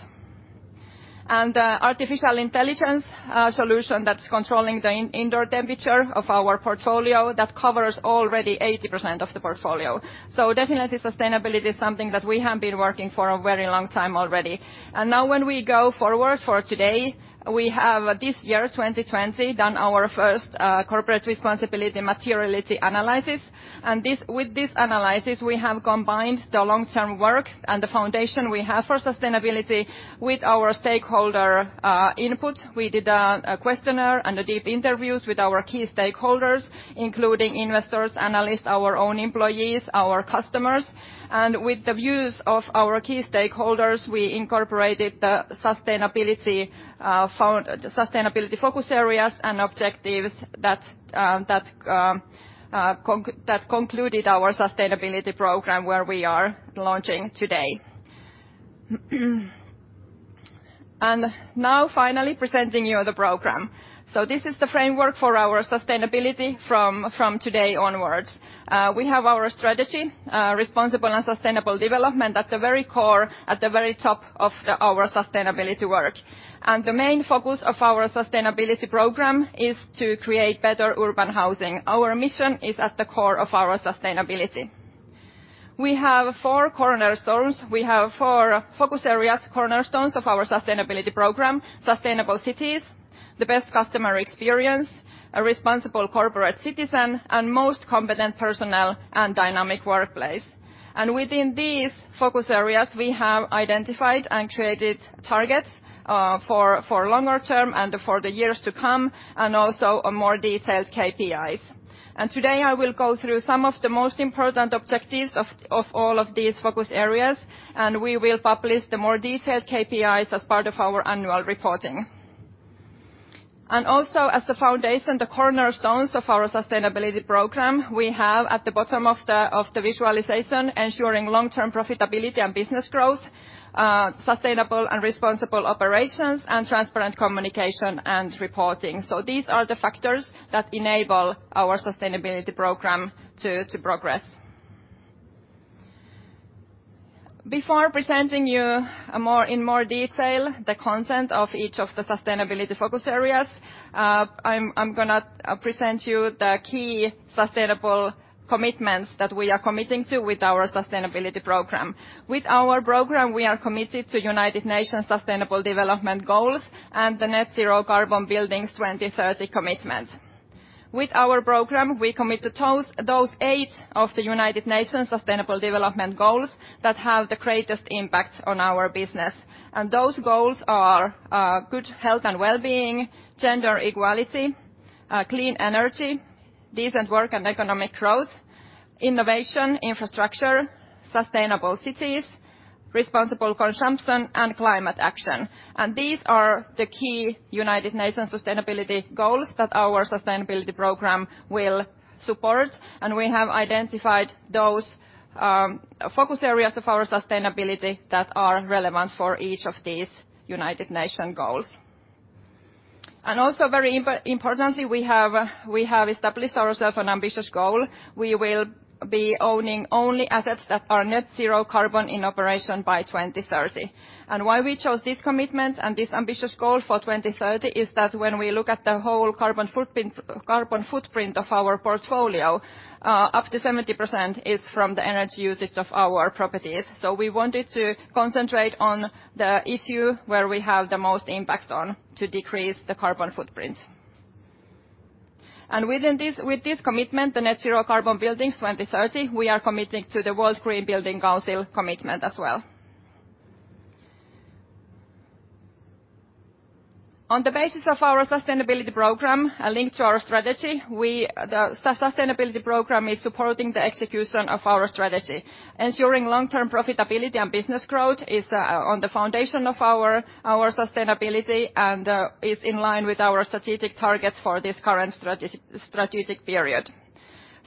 The artificial intelligence solution that is controlling the indoor temperature of our portfolio covers already 80% of the portfolio. Definitely, sustainability is something that we have been working for a very long time already. Now, when we go forward for today, we have this year 2020 done our first corporate responsibility materiality analysis. With this analysis, we have combined the long-term work and the foundation we have for sustainability with our stakeholder input. We did a questionnaire and deep interviews with our key stakeholders, including investors, analysts, our own employees, our customers. With the views of our key stakeholders, we incorporated the sustainability focus areas and objectives that concluded our sustainability program where we are launching today. Now finally presenting you the program. This is the framework for our sustainability from today onwards. We have our strategy, responsible and sustainable development at the very core, at the very top of our sustainability work. The main focus of our sustainability program is to create better urban housing. Our mission is at the core of our sustainability. We have four cornerstones. We have four focus areas, cornerstones of our sustainability program: sustainable cities, the best customer experience, a responsible corporate citizen, and most competent personal and dynamic workplace. Within these focus areas, we have identified and created targets for longer term and for the years to come and also more detailed KPIs. Today I will go through some of the most important objectives of all of these focus areas. We will publish the more detailed KPIs as part of our annual reporting. Also as the foundation, the cornerstones of our sustainability program, we have at the bottom of the visualization, ensuring long-term profitability and business growth, sustainable and responsible operations, and transparent communication and reporting. These are the factors that enable our sustainability program to progress. Before presenting you in more detail the content of each of the sustainability focus areas, I'm going to present you the key sustainable commitments that we are committing to with our sustainability program. With our program, we are committed to United Nations Sustainable Development Goals and the Net Zero Carbon Buildings 2030 commitment. With our program, we commit to those eight of the United Nations Sustainable Development Goals that have the greatest impact on our business. Those goals are good health and well-being, gender equality, clean energy, decent work and economic growth, innovation, infrastructure, sustainable cities, responsible consumption, and climate action. These are the key United Nations Sustainable Development Goals that our sustainability program will support. We have identified those focus areas of our sustainability that are relevant for each of these United Nations goals. Also, very importantly, we have established ourselves an ambitious goal. We will be owning only assets that are net zero carbon in operation by 2030. Why we chose this commitment and this ambitious goal for 2030 is that when we look at the whole carbon footprint of our portfolio, up to 70% is from the energy usage of our properties. We wanted to concentrate on the issue where we have the most impact on to decrease the carbon footprint. With this commitment, the Net Zero Carbon Buildings 2030, we are committing to the World Green Building Council commitment as well. On the basis of our sustainability program and linked to our strategy, the sustainability program is supporting the execution of our strategy. Ensuring long-term profitability and business growth is on the foundation of our sustainability and is in line with our strategic targets for this current strategic period.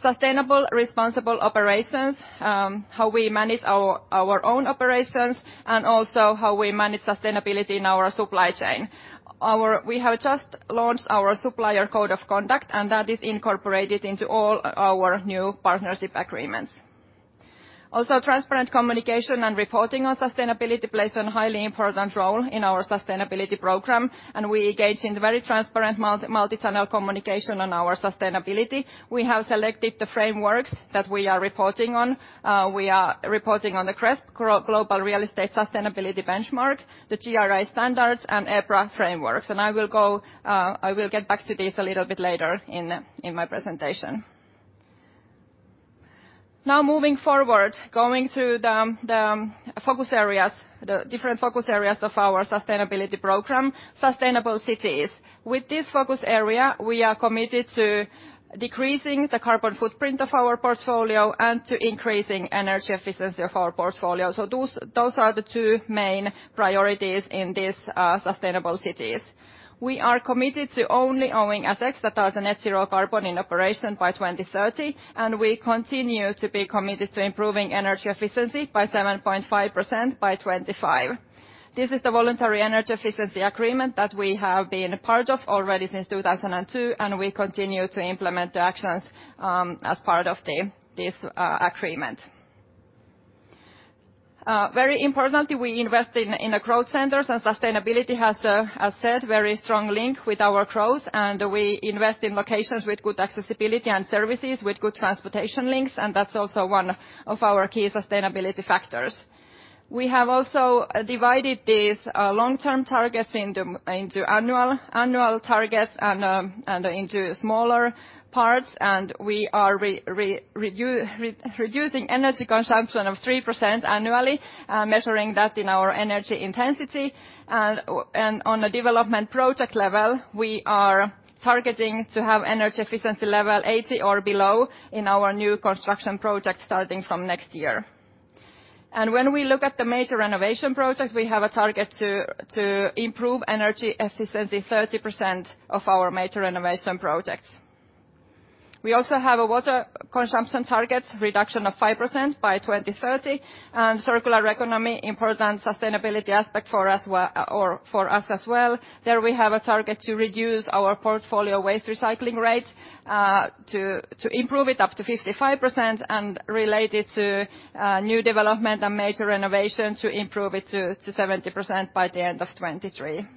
Sustainable responsible operations, how we manage our own operations, and also how we manage sustainability in our supply chain. We have just launched our supplier code of conduct, and that is incorporated into all our new partnership agreements. Also, transparent communication and reporting on sustainability plays a highly important role in our sustainability program. We engage in very transparent multi-channel communication on our sustainability. We have selected the frameworks that we are reporting on. We are reporting on the GRESB Global Real Estate Sustainability Benchmark, the GRI standards, and EPRA frameworks. I will get back to these a little bit later in my presentation. Now, moving forward, going through the different focus areas of our sustainability program, sustainable cities. With this focus area, we are committed to decreasing the carbon footprint of our portfolio and to increasing energy efficiency of our portfolio. Those are the two main priorities in these sustainable cities. We are committed to only owning assets that are net zero carbon in operation by 2030. We continue to be committed to improving energy efficiency by 7.5% by 2025. This is the voluntary energy efficiency agreement that we have been part of already since 2002. We continue to implement the actions as part of this agreement. Very importantly, we invest in the growth centers. Sustainability has, as said, a very strong link with our growth. We invest in locations with good accessibility and services with good transportation links. That is also one of our key sustainability factors. We have also divided these long-term targets into annual targets and into smaller parts. We are reducing energy consumption by 3% annually and measuring that in our energy intensity. On the development project level, we are targeting to have energy efficiency level 80 or below in our new construction projects starting from next year. When we look at the major renovation project, we have a target to improve energy efficiency in 30% of our major renovation projects. We also have a water consumption target, reduction of 5% by 2030. Circular economy, important sustainability aspect for us as well. There we have a target to improve our portfolio waste recycling rate up to 55% and related to new development and major renovation to improve it to 70% by the end of 2023.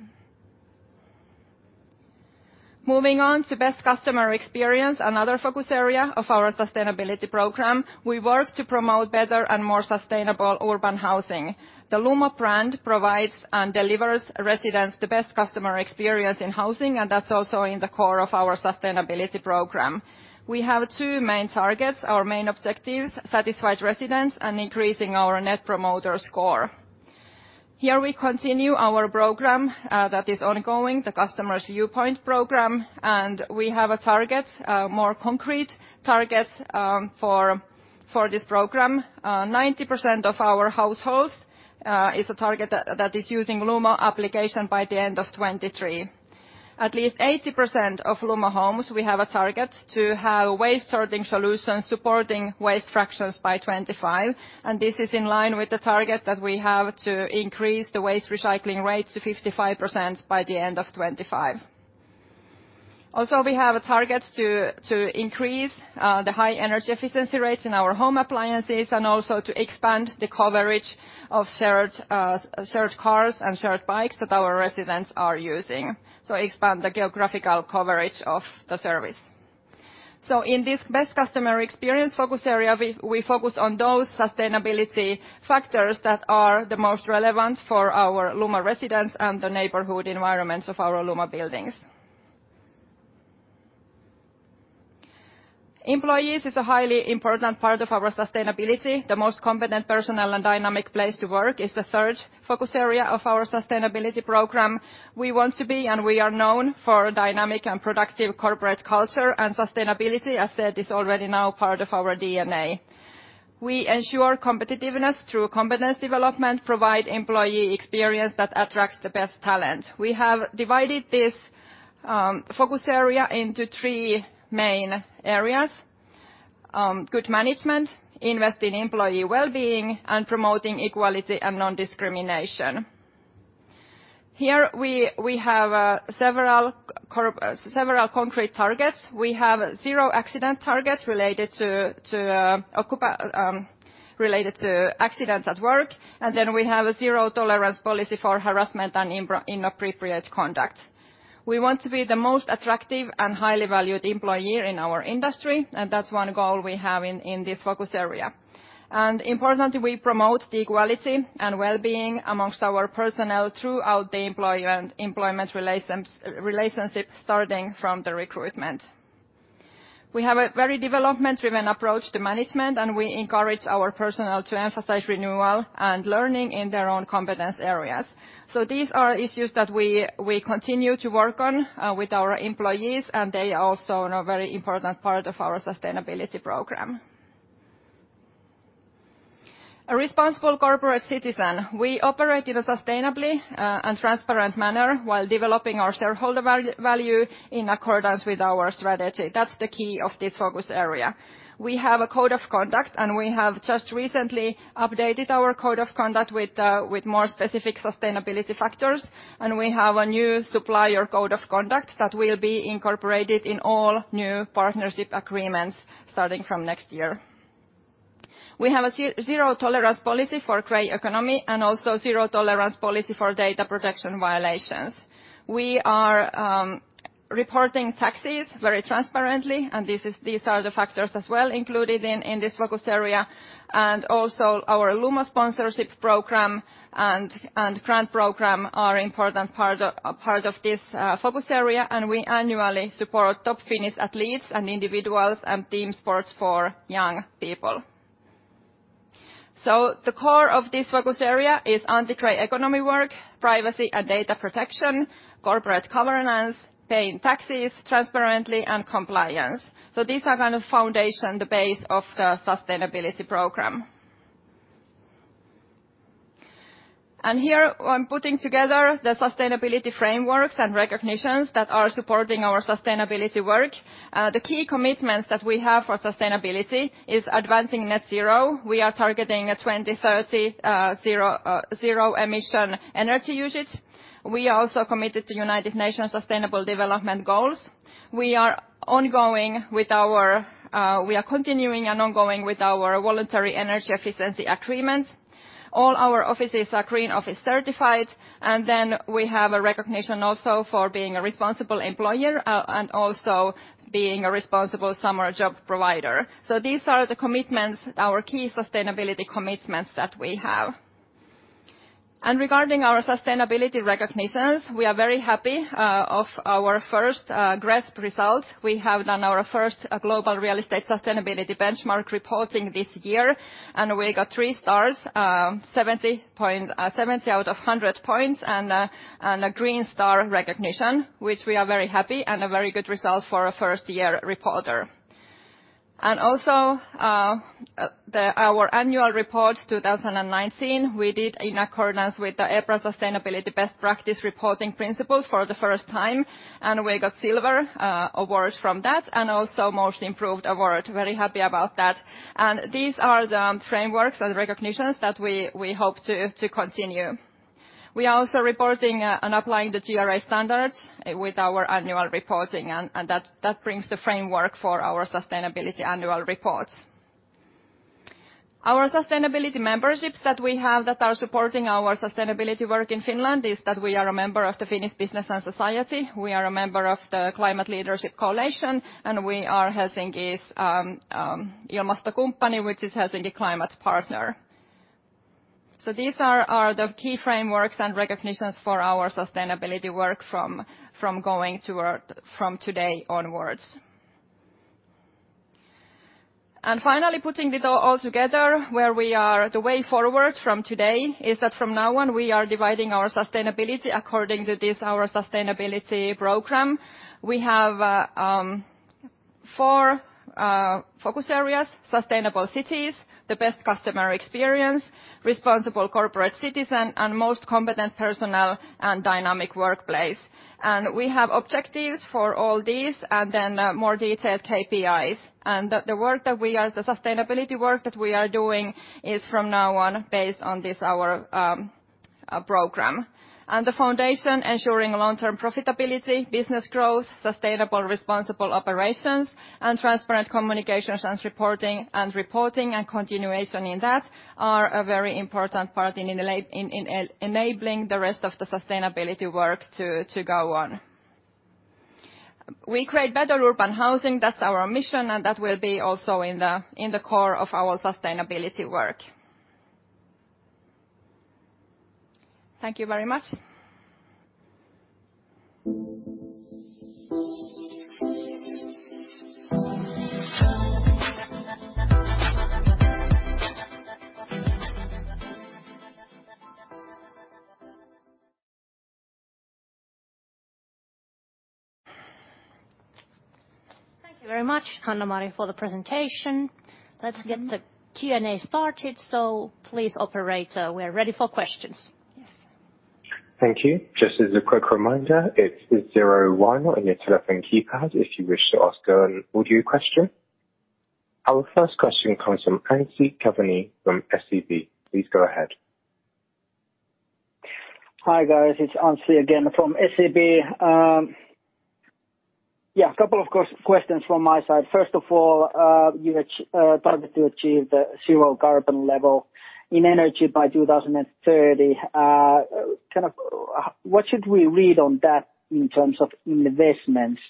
Moving on to best customer experience, another focus area of our sustainability program. We work to promote better and more sustainable urban housing. The Lumo brand provides and delivers residents the best customer experience in housing. That is also in the core of our sustainability program. We have two main targets, our main objectives, satisfied residents and increasing our net promoter score. Here we continue our program that is ongoing, the customer's viewpoint program. We have a target, more concrete targets for this program. Ninety percent of our households is a target that is using Lumo application by the end of 2023. At least 80% of Lumo homes, we have a target to have waste sorting solutions supporting waste fractions by 2025. This is in line with the target that we have to increase the waste recycling rate to 55% by the end of 2025. Also, we have a target to increase the high energy efficiency rates in our home appliances and also to expand the coverage of shared cars and shared bikes that our residents are using. Expand the geographical coverage of the service. In this best customer experience focus area, we focus on those sustainability factors that are the most relevant for our Lumo residents and the neighborhood environments of our Lumo buildings. Employees is a highly important part of our sustainability. The most competent personnel and dynamic place to work is the third focus area of our sustainability program. We want to be and we are known for dynamic and productive corporate culture and sustainability, as said, is already now part of our DNA. We ensure competitiveness through competence development, provide employee experience that attracts the best talent. We have divided this focus area into three main areas: good management, investing in employee well-being, and promoting equality and non-discrimination. Here we have several concrete targets. We have zero accident targets related to accidents at work. We have a zero tolerance policy for harassment and inappropriate conduct. We want to be the most attractive and highly valued employer in our industry. That is one goal we have in this focus area. Importantly, we promote the equality and well-being amongst our personnel throughout the employment relationship starting from the recruitment. We have a very development-driven approach to management, and we encourage our personnel to emphasize renewal and learning in their own competence areas. These are issues that we continue to work on with our employees, and they are also a very important part of our sustainability program. A responsible corporate citizen. We operate in a sustainable and transparent manner while developing our shareholder value in accordance with our strategy. That is the key of this focus area. We have a code of conduct, and we have just recently updated our code of conduct with more specific sustainability factors. We have a new supplier code of conduct that will be incorporated in all new partnership agreements starting from next year. We have a zero tolerance policy for grey economy and also zero tolerance policy for data protection violations. We are reporting taxes very transparently, and these are the factors as well included in this focus area. Also, our Lumo sponsorship program and grant program are an important part of this focus area. We annually support top Finnish athletes and individuals and team sports for young people. The core of this focus area is anti-grey economy work, privacy and data protection, corporate governance, paying taxes transparently, and compliance. These are kind of the foundation, the base of the sustainability program. Here, I'm putting together the sustainability frameworks and recognitions that are supporting our sustainability work. The key commitments that we have for sustainability is advancing net zero. We are targeting a 2030 zero emission energy usage. We are also committed to United Nations Sustainable Development Goals. We are ongoing with our—we are continuing and ongoing with our voluntary energy efficiency agreement. All our offices are Green Office certified. We have a recognition also for being a responsible employer and also being a responsible summer job provider. These are the commitments, our key sustainability commitments that we have. Regarding our sustainability recognitions, we are very happy with our first GRESB result. We have done our first Global Real Estate Sustainability Benchmark reporting this year. We got three stars, 70 out of 100 points, and a Green Star recognition, which we are very happy about and a very good result for a first-year reporter. Also, our annual report 2019, we did in accordance with the EPRA sustainability best practice reporting principles for the first time. We got Silver Award from that and also Most Improved Award. Very happy about that. These are the frameworks and recognitions that we hope to continue. We are also reporting and applying the GRI standards with our annual reporting. That brings the framework for our sustainability annual reports. Our sustainability memberships that we have that are supporting our sustainability work in Finland is that we are a member of the Finnish Business and Society. We are a member of the Climate Leadership Coalition. We are Helsinki's Ilmastokumppani, which is Helsinki Climate Partner. These are the key frameworks and recognitions for our sustainability work from going toward from today onwards. Finally, putting it all together, where we are the way forward from today is that from now on we are dividing our sustainability according to this our sustainability program. We have four focus areas: sustainable cities, the best customer experience, responsible corporate citizen, and most competent personal and dynamic workplace. We have objectives for all these and then more detailed KPIs. The work that we are, the sustainability work that we are doing is from now on based on this, our program. The foundation, ensuring long-term profitability, business growth, sustainable responsible operations, and transparent communications and reporting and continuation in that, are a very important part in enabling the rest of the sustainability work to go on. We create better urban housing. That is our mission. That will be also in the core of our sustainability work. Thank you very much. Thank you very much, Hannamari, for the presentation. Let's get the Q&A started. Please, operator, we are ready for questions. Yes, thank you. Just as a quick reminder, it is zero one on your telephone keypad if you wish to ask an audio question. Our first question comes from Anssi Kiviniemi from SEB. Please go ahead. Hi guys, it is Anssi again from SEB. Yeah, a couple of questions from my side. First of all, you target to achieve the zero carbon level in energy by 2030. Kind of what should we read on that in terms of investments?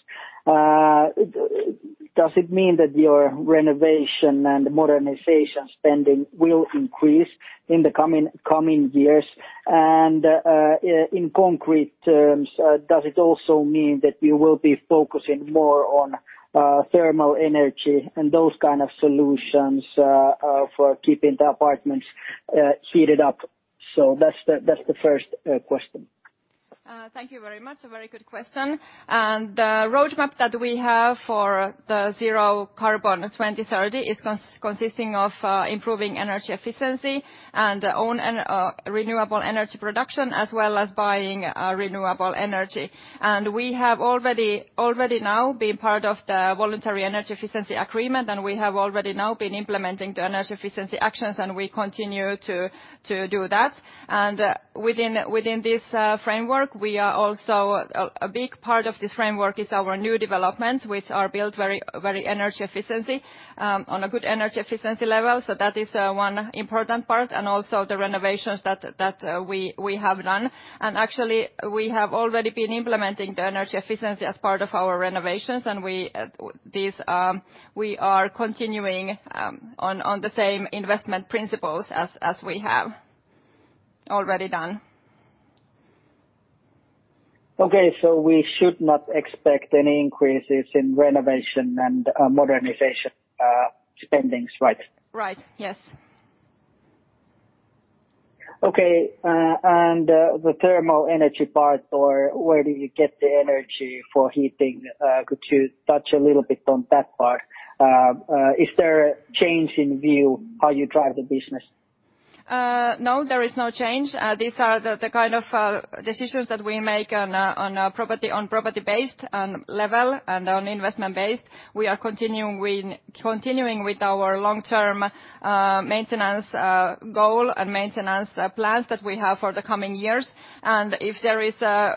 Does it mean that your renovation and modernization spending will increase in the coming years? In concrete terms, does it also mean that you will be focusing more on thermal energy and those kind of solutions for keeping the apartments heated up? That is the first question. Thank you very much. A very good question. The roadmap that we have for the zero carbon 2030 is consisting of improving energy efficiency and own renewable energy production as well as buying renewable energy. We have already now been part of the voluntary energy efficiency agreement. We have already now been implementing the energy efficiency actions. We continue to do that. Within this framework, we are also a big part of this framework is our new developments, which are built very energy efficient on a good energy efficiency level. That is one important part. Also, the renovations that we have done. Actually, we have already been implementing the energy efficiency as part of our renovations. These we are continuing on the same investment principles as we have already done. Okay, we should not expect any increases in renovation and modernization spendings, right? Right, yes. Okay, and the thermal energy part, where do you get the energy for heating? Could you touch a little bit on that part? Is there a change in view how you drive the business? No, there is no change. These are the kind of decisions that we make on property-based level and on investment-based. We are continuing with our long-term maintenance goal and maintenance plans that we have for the coming years. If there is,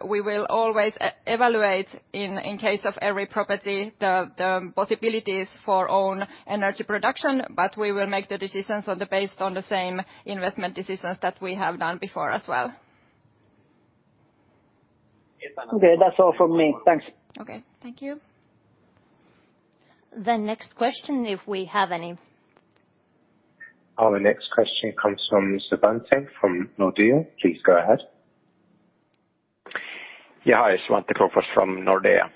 we will always evaluate in case of every property the possibilities for own energy production. We will make the decisions based on the same investment decisions that we have done before as well. Okay, that's all from me. Thanks. Okay, thank you. The next question, if we have any. Our next question comes from Svante from Nordea. Please go ahead. Yeah, hi, Svante Krokfors from Nordea.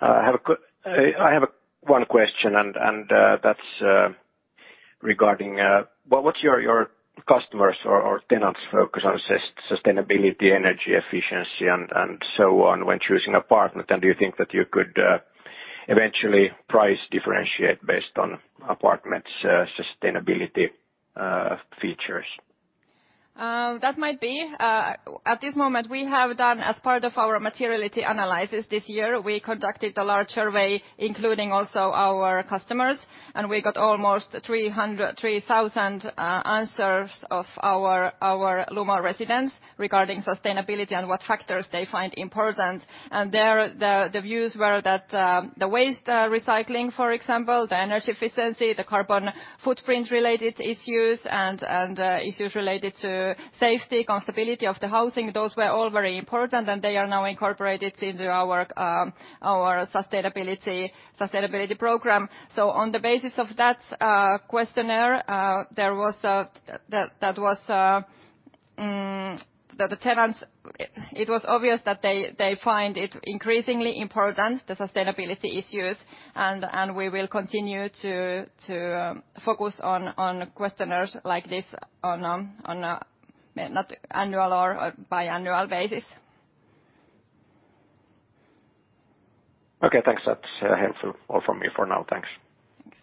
Hi. I have one question, and that's regarding what's your customers' or tenants' focus on sustainability, energy efficiency, and so on when choosing apartment? Do you think that you could eventually price differentiate based on apartments' sustainability features? That might be. At this moment, we have done, as part of our materiality analysis this year, we conducted a large survey including also our customers. We got almost 3,000 answers of our Lumo residents regarding sustainability and what factors they find important. The views were that the waste recycling, for example, the energy efficiency, the carbon footprint-related issues, and issues related to safety, comfortability of the housing, those were all very important. They are now incorporated into our sustainability program. On the basis of that questionnaire, that was the tenants, it was obvious that they find it increasingly important, the sustainability issues. We will continue to focus on questionnaires like this on an annual or bi-annual basis. Okay, thanks. That's helpful all from me for now. Thanks. Thanks.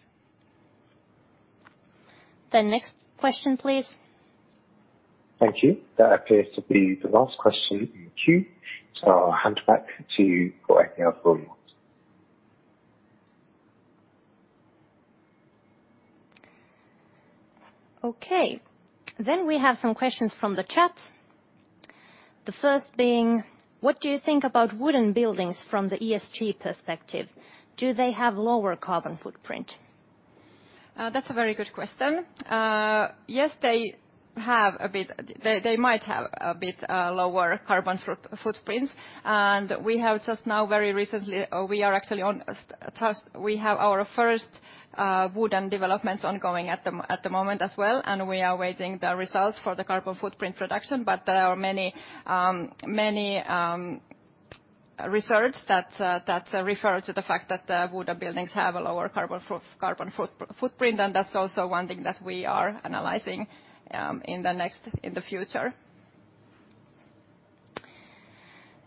The next question, please. Thank you. That appears to be the last question in queue. I'll hand back to you for any other ones. Okay, then we have some questions from the chat. The first being, what do you think about wooden buildings from the ESG perspective? Do they have lower carbon footprint? That's a very good question. Yes, they have a bit, they might have a bit lower carbon footprints. We have just now, very recently, we are actually on, we have our first wooden developments ongoing at the moment as well. We are waiting the results for the carbon footprint production. There are many research that refer to the fact that wooden buildings have a lower carbon footprint. That's also one thing that we are analyzing in the next, in the future.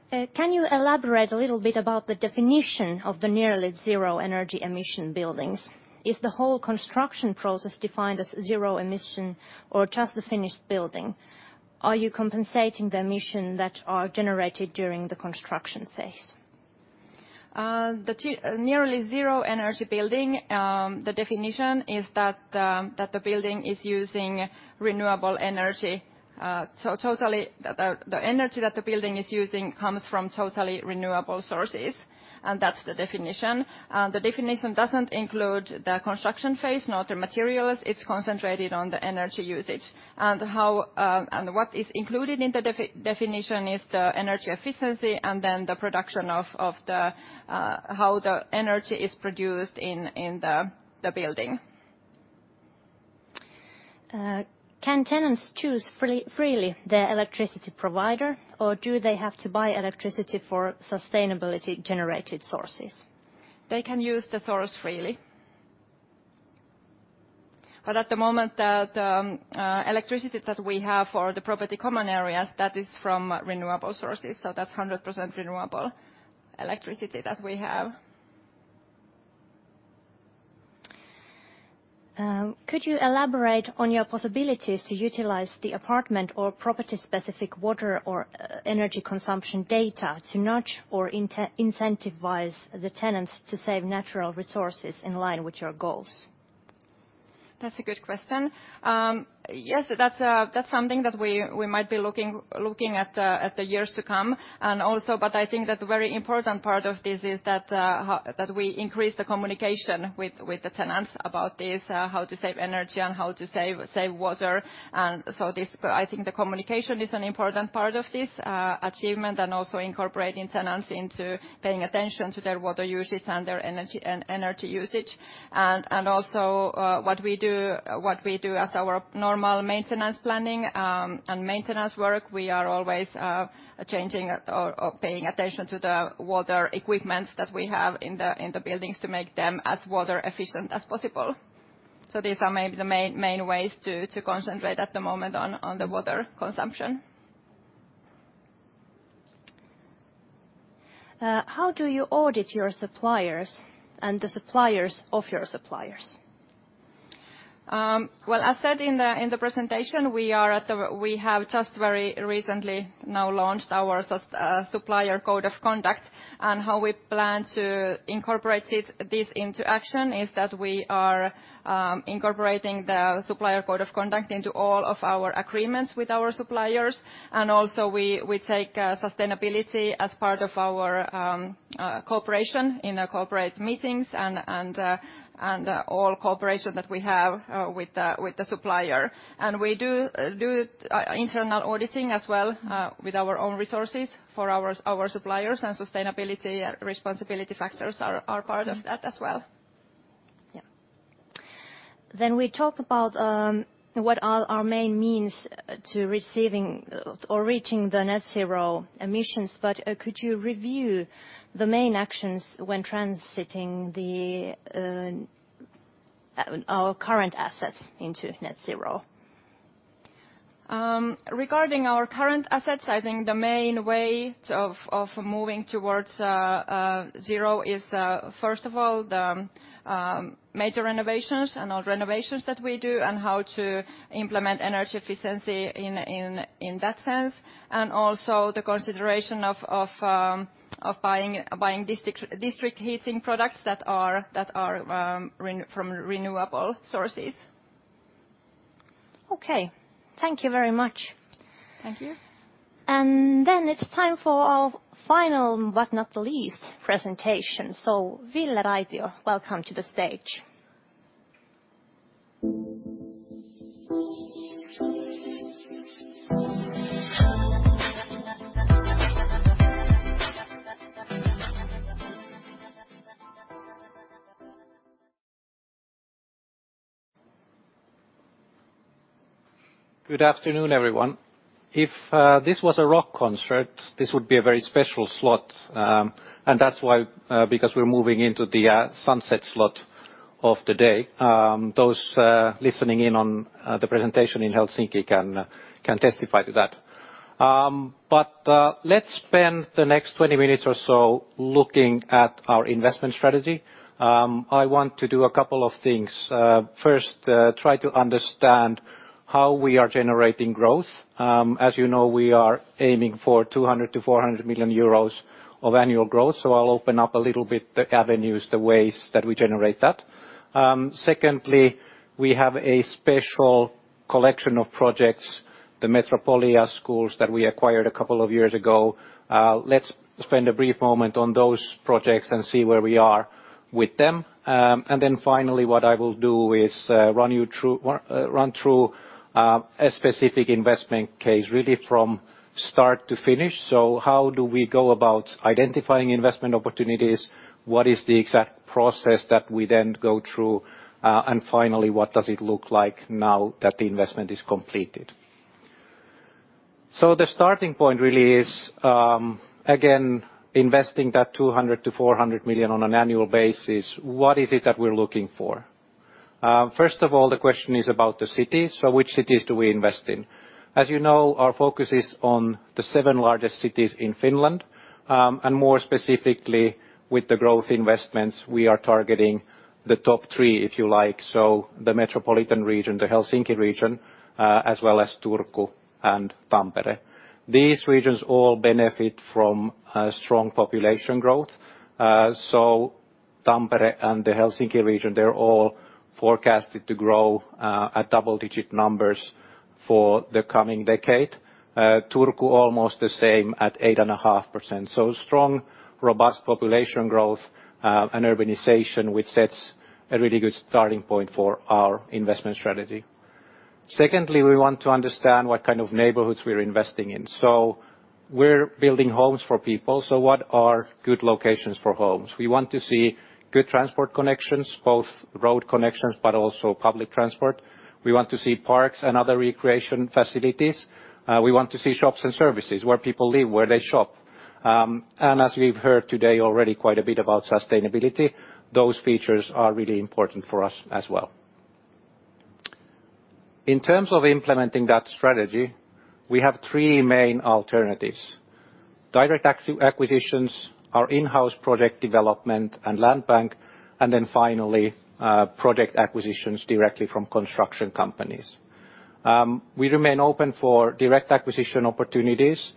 Can you elaborate a little bit about the definition of the nearly zero energy emission buildings? Is the whole construction process defined as zero emission or just the finished building? Are you compensating the emission that are generated during the construction phase? The nearly zero energy building, the definition is that the building is using renewable energy. Totally, the energy that the building is using comes from totally renewable sources. That is the definition. The definition does not include the construction phase, not the materials. It is concentrated on the energy usage. What is included in the definition is the energy efficiency and then the production of how the energy is produced in the building. Can tenants choose freely their electricity provider or do they have to buy electricity for sustainability-generated sources? They can use the source freely. At the moment, the electricity that we have for the property common areas, that is from renewable sources. That is 100% renewable electricity that we have. Could you elaborate on your possibilities to utilize the apartment or property-specific water or energy consumption data to nudge or incentivize the tenants to save natural resources in line with your goals? That's a good question. Yes, that's something that we might be looking at in the years to come. I think that the very important part of this is that we increase the communication with the tenants about this, how to save energy and how to save water. I think the communication is an important part of this achievement and also incorporating tenants into paying attention to their water usage and their energy usage. Also, what we do as our normal maintenance planning and maintenance work, we are always changing or paying attention to the water equipment that we have in the buildings to make them as water efficient as possible. These are maybe the main ways to concentrate at the moment on the water consumption. How do you audit your suppliers and the suppliers of your suppliers? As said in the presentation, we have just very recently now launched our supplier code of conduct. How we plan to incorporate this into action is that we are incorporating the supplier code of conduct into all of our agreements with our suppliers. Also, we take sustainability as part of our cooperation in the corporate meetings and all cooperation that we have with the supplier. We do internal auditing as well with our own resources for our suppliers. Sustainability and responsibility factors are part of that as well. Yeah. Then we talk about what are our main means to receiving or reaching the net zero emissions. Could you review the main actions when transiting our current assets into net zero? Regarding our current assets, I think the main way of moving towards zero is, first of all, the major renovations and all renovations that we do and how to implement energy efficiency in that sense. Also, the consideration of buying district heating products that are from renewable sources. Okay, thank you very much. Thank you. It is time for our final but not the least presentation. Ville Raitio, welcome to the stage. Good afternoon, everyone. If this was a rock concert, this would be a very special slot. That is why, because we are moving into the sunset slot of the day. Those listening in on the presentation in Helsinki can testify to that. Let us spend the next 20 minutes or so looking at our investment strategy. I want to do a couple of things. First, try to understand how we are generating growth. As you know, we are aiming for 200 million to 400 million euros of annual growth. I'll open up a little bit the avenues, the ways that we generate that. Secondly, we have a special collection of projects, the Metropolia schools that we acquired a couple of years ago. Let's spend a brief moment on those projects and see where we are with them. Finally, what I will do is run through a specific investment case really from start to finish. How do we go about identifying investment opportunities? What is the exact process that we then go through? Finally, what does it look like now that the investment is completed? The starting point really is, again, investing that 200 million to 400 million on an annual basis. What is it that we're looking for? First of all, the question is about the cities. Which cities do we invest in? As you know, our focus is on the seven largest cities in Finland. More specifically, with the growth investments, we are targeting the top three, if you like. The metropolitan region, the Helsinki region, as well as Turku and Tampere. These regions all benefit from strong population growth. Tampere and the Helsinki region, they're all forecasted to grow at double-digit numbers for the coming decade. Turku, almost the same at 8.5%. Strong, robust population growth and urbanization, which sets a really good starting point for our investment strategy. Secondly, we want to understand what kind of neighborhoods we're investing in. We're building homes for people. What are good locations for homes? We want to see good transport connections, both road connections, but also public transport. We want to see parks and other recreation facilities. We want to see shops and services where people live, where they shop. As we've heard today already quite a bit about sustainability, those features are really important for us as well. In terms of implementing that strategy, we have three main alternatives. Direct acquisitions, our in-house project development and land bank, and then finally project acquisitions directly from construction companies. We remain open for direct acquisition opportunities.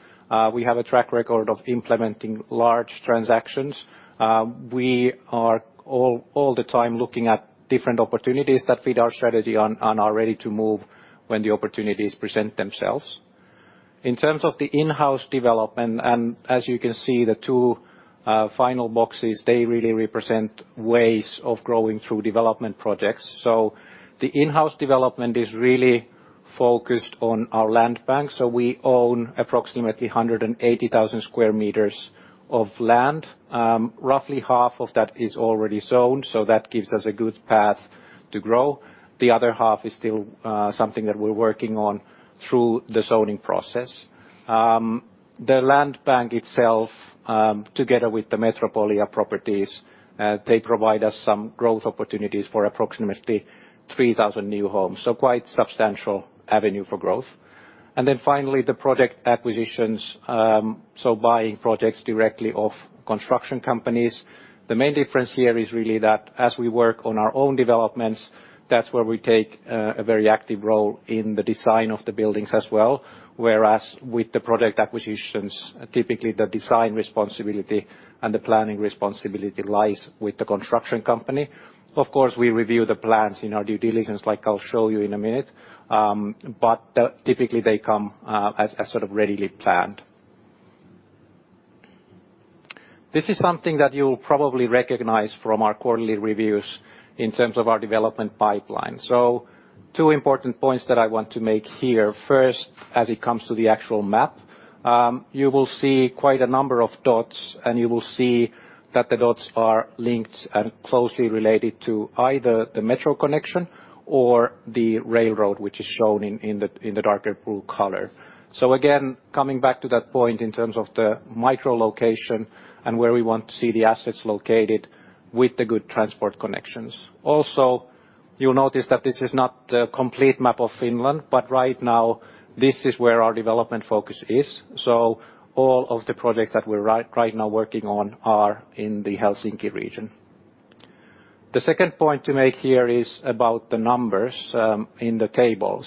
We have a track record of implementing large transactions. We are all the time looking at different opportunities that feed our strategy and are ready to move when the opportunities present themselves. In terms of the in-house development, and as you can see, the two final boxes, they really represent ways of growing through development projects. The in-house development is really focused on our land bank. We own approximately 180,000 sq m of land. Roughly half of that is already zoned. That gives us a good path to grow. The other half is still something that we are working on through the zoning process. The land bank itself, together with the Metropolia properties, provide us some growth opportunities for approximately 3,000 new homes. Quite substantial avenue for growth. Finally, the project acquisitions, buying projects directly off construction companies. The main difference here is that as we work on our own developments, that is where we take a very active role in the design of the buildings as well. Whereas with the project acquisitions, typically the design responsibility and the planning responsibility lies with the construction company. Of course, we review the plans in our due diligence, like I'll show you in a minute. Typically, they come as sort of readily planned. This is something that you will probably recognize from our quarterly reviews in terms of our development pipeline. Two important points that I want to make here. First, as it comes to the actual map, you will see quite a number of dots, and you will see that the dots are linked and closely related to either the metro connection or the railroad, which is shown in the darker blue color. Again, coming back to that point in terms of the micro location and where we want to see the assets located with the good transport connections. Also, you'll notice that this is not the complete map of Finland, but right now this is where our development focus is. All of the projects that we're right now working on are in the Helsinki region. The second point to make here is about the numbers in the table.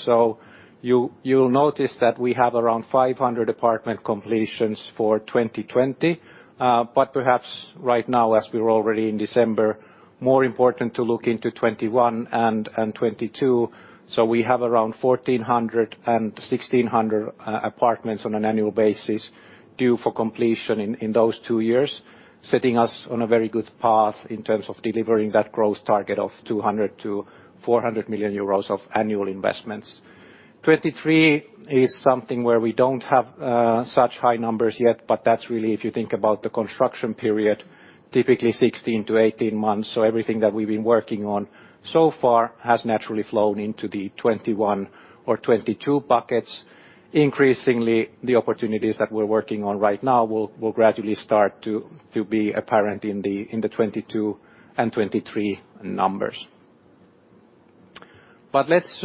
You'll notice that we have around 500 apartment completions for 2020. Perhaps right now, as we're already in December, it is more important to look into 2021 and 2022. We have around 1,400 and 1,600 apartments on an annual basis due for completion in those two years, setting us on a very good path in terms of delivering that growth target of 200 million to 400 million euros of annual investments. 2023 is something where we do not have such high numbers yet, but that is really if you think about the construction period, typically 16 to 18 months. Everything that we've been working on so far has naturally flown into the 2021 or 2022 buckets. Increasingly, the opportunities that we're working on right now will gradually start to be apparent in the 2022 and 2023 numbers. Let's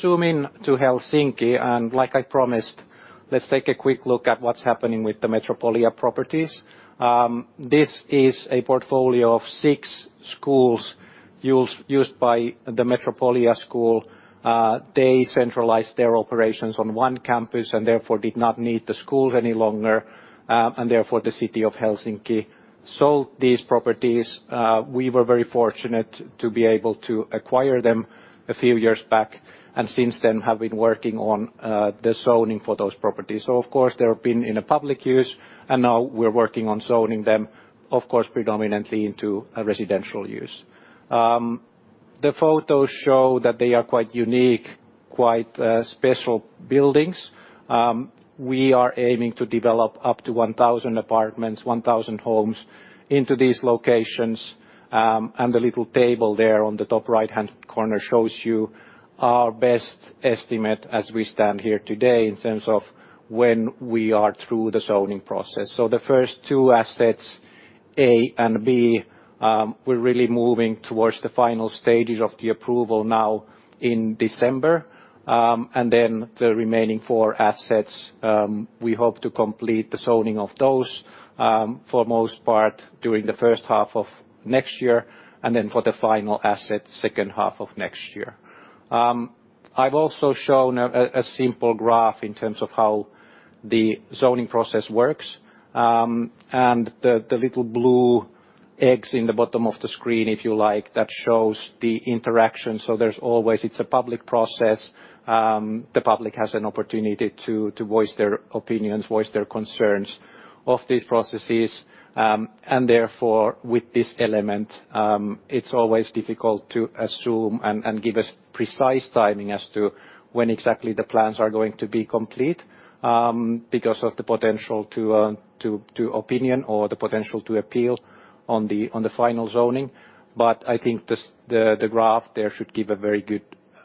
zoom in to Helsinki. Like I promised, let's take a quick look at what's happening with the Metropolia properties. This is a portfolio of six schools used by the Metropolia school. They centralized their operations on one campus and therefore did not need the schools any longer. Therefore, the city of Helsinki sold these properties. We were very fortunate to be able to acquire them a few years back and since then have been working on the zoning for those properties. Of course, they've been in a public use, and now we're working on zoning them, of course, predominantly into residential use. The photos show that they are quite unique, quite special buildings. We are aiming to develop up to 1,000 apartments, 1,000 homes into these locations. The little table there on the top right-hand corner shows you our best estimate as we stand here today in terms of when we are through the zoning process. The first two assets, A and B, we're really moving towards the final stages of the approval now in December. The remaining four assets, we hope to complete the zoning of those for the most part during the first half of next year and then for the final asset, second half of next year. I've also shown a simple graph in terms of how the zoning process works. The little blue eggs in the bottom of the screen, if you like, that shows the interaction. There is always, it's a public process. The public has an opportunity to voice their opinions, voice their concerns of these processes. Therefore, with this element, it's always difficult to assume and give a precise timing as to when exactly the plans are going to be complete because of the potential to opinion or the potential to appeal on the final zoning. I think the graph there should give a very good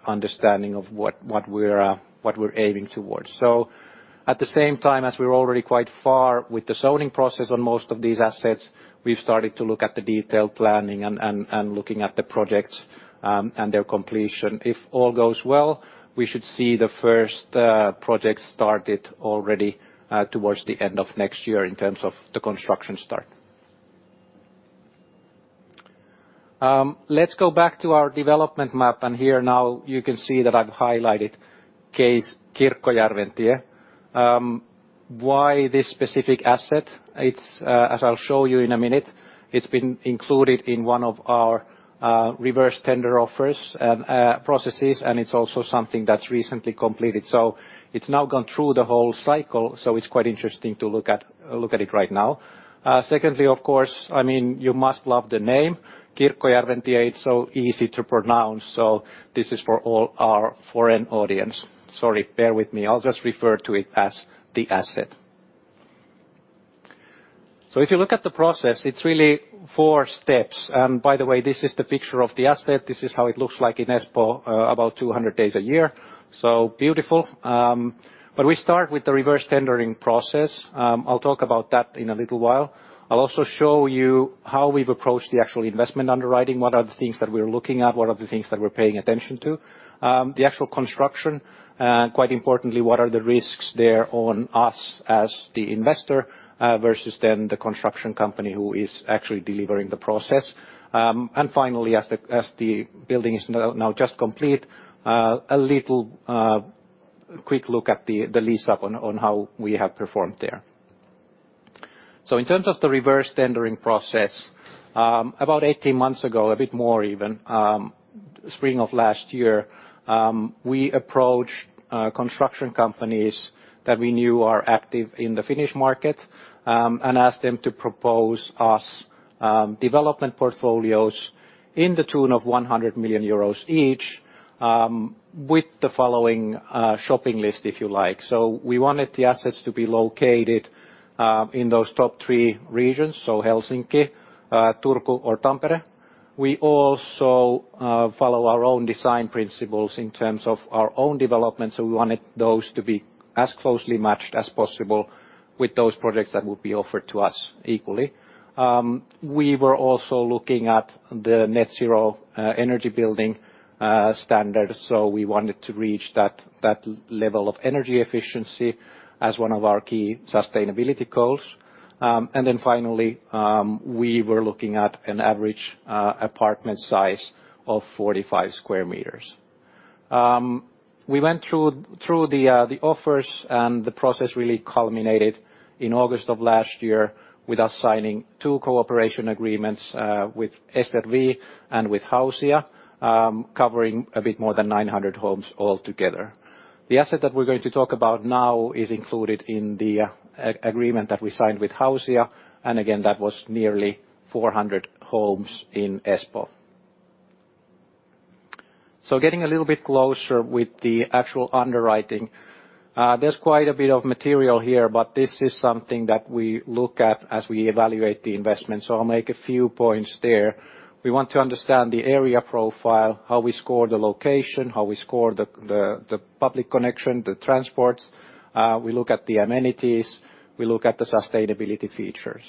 understanding of what we're aiming towards. At the same time, as we're already quite far with the zoning process on most of these assets, we've started to look at the detailed planning and looking at the projects and their completion. If all goes well, we should see the first projects started already towards the end of next year in terms of the construction start. Let's go back to our development map. Here now you can see that I've highlighted case Kirkkojärventie. Why this specific asset? As I'll show you in a minute, it's been included in one of our reverse tender offers and processes, and it's also something that's recently completed. It's now gone through the whole cycle, so it's quite interesting to look at it right now. Secondly, of course, I mean, you must love the name. Kirkkojärventie is so easy to pronounce, so this is for all our foreign audience. Sorry, bear with me. I'll just refer to it as the asset. If you look at the process, it's really four steps. By the way, this is the picture of the asset. This is how it looks like in Espoo about 200 days a year. So beautiful. We start with the reverse tendering process. I'll talk about that in a little while. I'll also show you how we've approached the actual investment underwriting, what are the things that we're looking at, what are the things that we're paying attention to, the actual construction, and quite importantly, what are the risks there on us as the investor versus then the construction company who is actually delivering the process. Finally, as the building is now just complete, a little quick look at the lease up on how we have performed there. In terms of the reverse tendering process, about 18 months ago, a bit more even, spring of last year, we approached construction companies that we knew are active in the Finnish market and asked them to propose us development portfolios in the tune of 100 million euros each with the following shopping list, if you like. We wanted the assets to be located in those top three regions, Helsinki, Turku, or Tampere. We also follow our own design principles in terms of our own development. We wanted those to be as closely matched as possible with those projects that would be offered to us equally. We were also looking at the net zero energy building standard. We wanted to reach that level of energy efficiency as one of our key sustainability goals. Finally, we were looking at an average apartment size of 45 sq m. We went through the offers, and the process really culminated in August of last year with us signing two cooperation agreements with SRV and with Skanska, covering a bit more than 900 homes altogether. The asset that we are going to talk about now is included in the agreement that we signed with Skanska. That was nearly 400 homes in Espoo. Getting a little bit closer with the actual underwriting, there is quite a bit of material here, but this is something that we look at as we evaluate the investment. I'll make a few points there. We want to understand the area profile, how we score the location, how we score the public connection, the transports. We look at the amenities. We look at the sustainability features.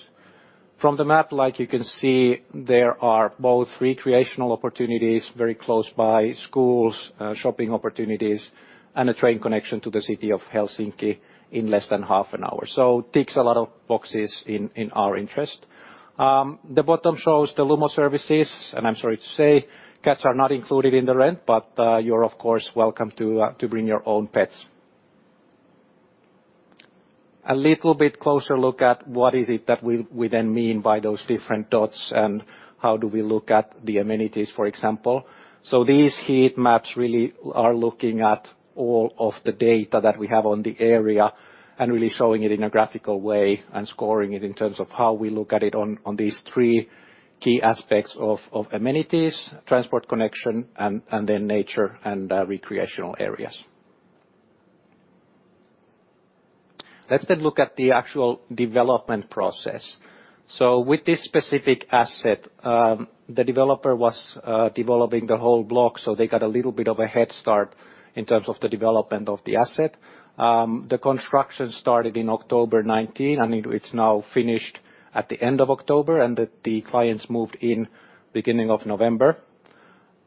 From the map, like you can see, there are both recreational opportunities very close by, schools, shopping opportunities, and a train connection to the city of Helsinki in less than half an hour. It ticks a lot of boxes in our interest. The bottom shows the Lumo services, and I'm sorry to say, cats are not included in the rent, but you're of course welcome to bring your own pets. A little bit closer look at what is it that we then mean by those different dots and how do we look at the amenities, for example. These heat maps really are looking at all of the data that we have on the area and really showing it in a graphical way and scoring it in terms of how we look at it on these three key aspects of amenities, transport connection, and then nature and recreational areas. Let's then look at the actual development process. With this specific asset, the developer was developing the whole block, so they got a little bit of a head start in terms of the development of the asset. The construction started in October 2019, and it's now finished at the end of October, and the clients moved in beginning of November.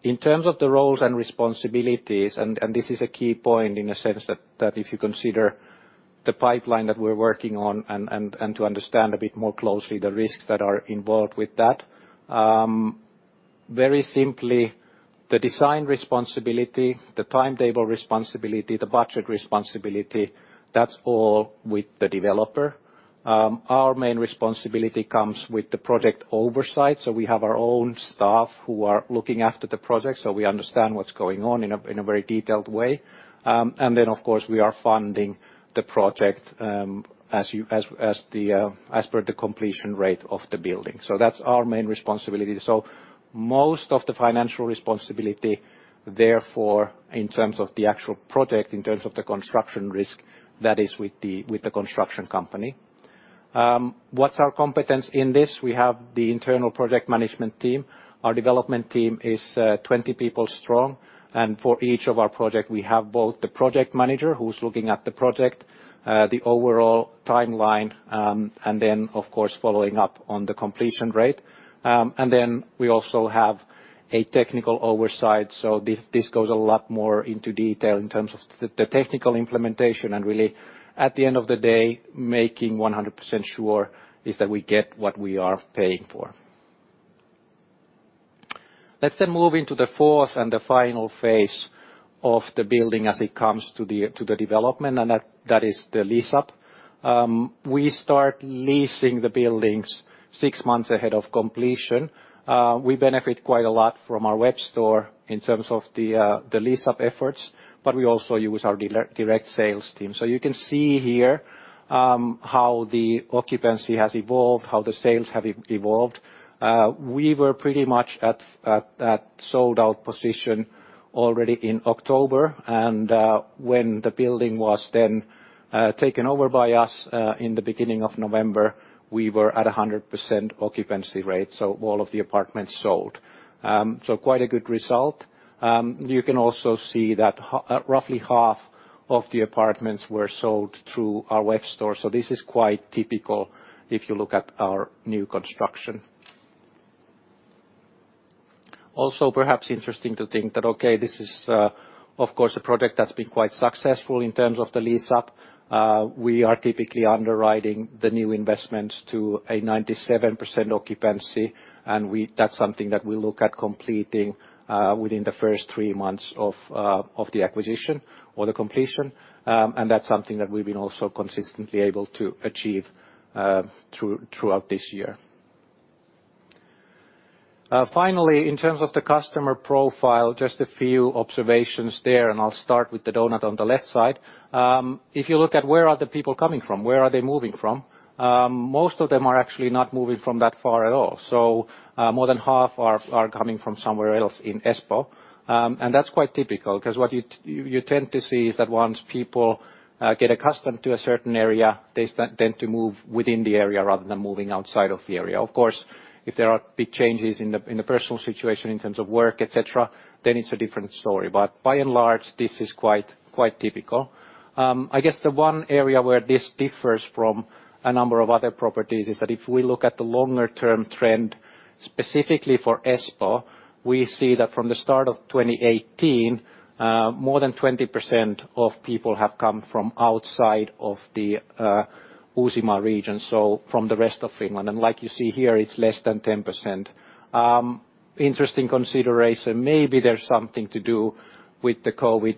In terms of the roles and responsibilities, and this is a key point in a sense that if you consider the pipeline that we're working on and to understand a bit more closely the risks that are involved with that. Very simply, the design responsibility, the timetable responsibility, the budget responsibility, that's all with the developer. Our main responsibility comes with the project oversight. We have our own staff who are looking after the project, so we understand what's going on in a very detailed way. Of course, we are funding the project as per the completion rate of the building. That's our main responsibility. Most of the financial responsibility, therefore, in terms of the actual project, in terms of the construction risk, that is with the construction company. What's our competence in this? We have the internal project management team. Our development team is 20 people strong. For each of our projects, we have both the project manager who's looking at the project, the overall timeline, and then, of course, following up on the completion rate. We also have a technical oversight. This goes a lot more into detail in terms of the technical implementation and really, at the end of the day, making 100% sure that we get what we are paying for. Let's then move into the fourth and the final phase of the building as it comes to the development, and that is the lease up. We start leasing the buildings six months ahead of completion. We benefit quite a lot from our web store in terms of the lease up efforts, but we also use our direct sales team. You can see here how the occupancy has evolved, how the sales have evolved. We were pretty much at sold-out position already in October. When the building was then taken over by us in the beginning of November, we were at 100% occupancy rate, so all of the apartments sold. Quite a good result. You can also see that roughly half of the apartments were sold through our web store. This is quite typical if you look at our new construction. Also, perhaps interesting to think that, okay, this is, of course, a project that's been quite successful in terms of the lease up. We are typically underwriting the new investments to a 97% occupancy, and that's something that we look at completing within the first three months of the acquisition or the completion. That is something that we have been also consistently able to achieve throughout this year. Finally, in terms of the customer profile, just a few observations there. I will start with the donut on the left side. If you look at where the people are coming from, where they are moving from, most of them are actually not moving from that far at all. More than half are coming from somewhere else in Espoo. That is quite typical because what you tend to see is that once people get accustomed to a certain area, they tend to move within the area rather than moving outside of the area. Of course, if there are big changes in the personal situation in terms of work, etc., then it is a different story. By and large, this is quite typical. I guess the one area where this differs from a number of other properties is that if we look at the longer-term trend specifically for Espoo, we see that from the start of 2018, more than 20% of people have come from outside of the Uusimaa region, so from the rest of Finland. Like you see here, it's less than 10%. Interesting consideration. Maybe there's something to do with the COVID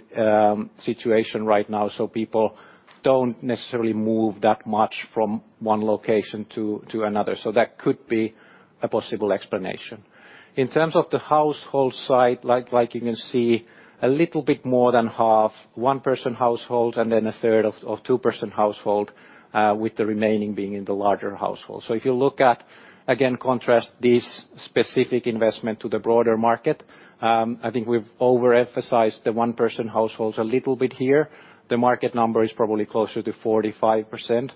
situation right now, so people don't necessarily move that much from one location to another. That could be a possible explanation. In terms of the household side, like you can see, a little bit more than half, one-person households and then a third of two-person households, with the remaining being in the larger households. If you look at, again, contrast this specific investment to the broader market, I think we've overemphasized the one-person households a little bit here. The market number is probably closer to 45%.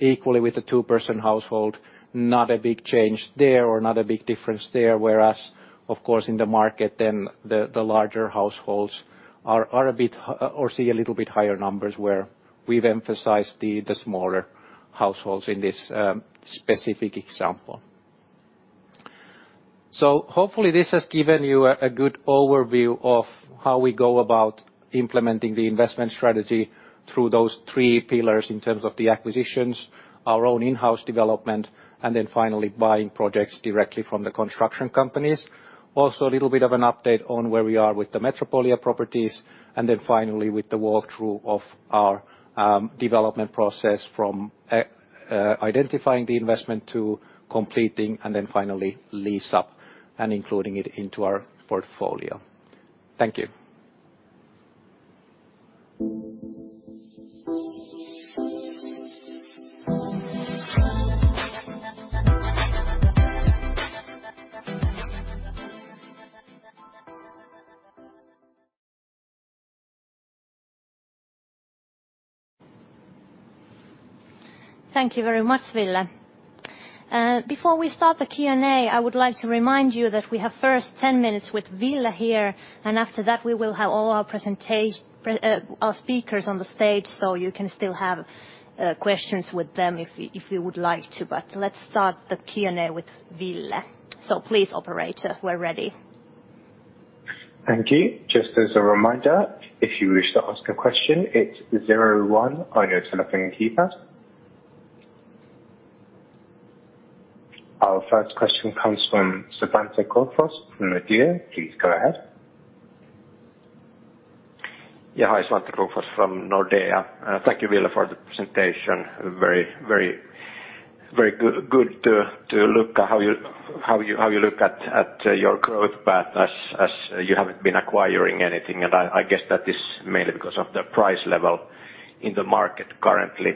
Equally with the two-person household, not a big change there or not a big difference there, whereas, of course, in the market, then the larger households are a bit or see a little bit higher numbers where we've emphasized the smaller households in this specific example. Hopefully this has given you a good overview of how we go about implementing the investment strategy through those three pillars in terms of the acquisitions, our own in-house development, and then finally buying projects directly from the construction companies. Also a little bit of an update on where we are with the Metropolia properties, and then finally with the walkthrough of our development process from identifying the investment to completing and then finally lease up and including it into our portfolio. Thank you. Thank you very much, Ville. Before we start the Q&A, I would like to remind you that we have the first 10 minutes with Ville here, and after that, we will have all our speakers on the stage, so you can still have questions with them if you would like to. Let's start the Q&A with Ville. Please, operator, we're ready. Thank you. Just as a reminder, if you wish to ask a question, it's zero one on your telephone keypad. Our first question comes from Svante Krokfors from Nordea. Please go ahead. Yeah, hi, Svante Krokfors from Nordea. Thank you, Ville, for the presentation. Very good to look at how you look at your growth path as you haven't been acquiring anything. I guess that is mainly because of the price level in the market currently.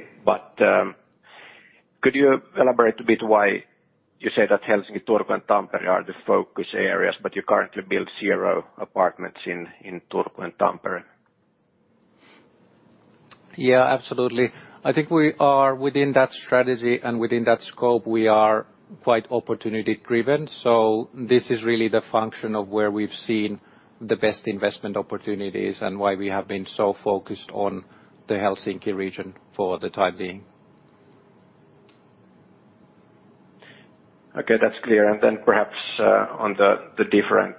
Could you elaborate a bit why you say that Helsinki, Turku, and Tampere are the focus areas, but you currently build zero apartments in Turku and Tampere? Yeah, absolutely. I think we are within that strategy and within that scope. We are quite opportunity-driven. This is really the function of where we've seen the best investment opportunities and why we have been so focused on the Helsinki region for the time being. Okay, that's clear. Perhaps on the different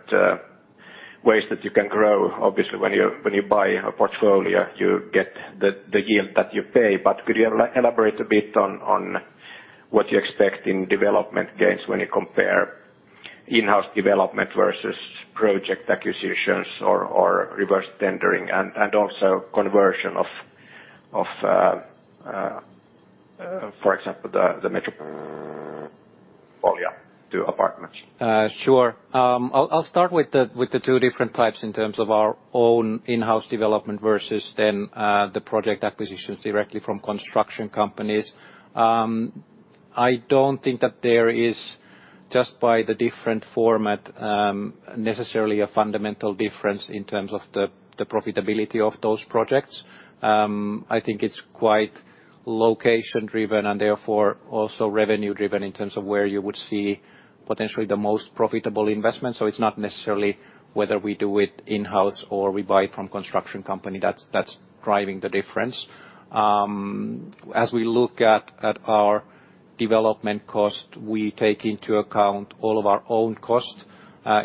ways that you can grow, obviously when you buy a portfolio, you get the yield that you pay. Could you elaborate a bit on what you expect in development gains when you compare in-house development versus project acquisitions or reverse tendering and also conversion of, for example, the Metropolia to apartments? Sure. I'll start with the two different types in terms of our own in-house development versus then the project acquisitions directly from construction companies. I don't think that there is, just by the different format, necessarily a fundamental difference in terms of the profitability of those projects. I think it's quite location-driven and therefore also revenue-driven in terms of where you would see potentially the most profitable investment. It's not necessarily whether we do it in-house or we buy it from a construction company that's driving the difference. As we look at our development cost, we take into account all of our own costs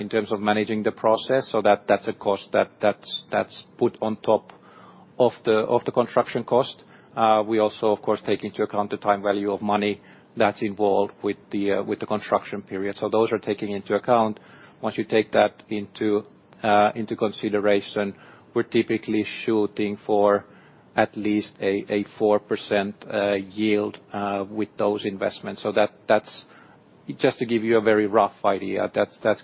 in terms of managing the process. That's a cost that's put on top of the construction cost. We also, of course, take into account the time value of money that's involved with the construction period. Those are taken into account. Once you take that into consideration, we're typically shooting for at least a 4% yield with those investments. That's, just to give you a very rough idea,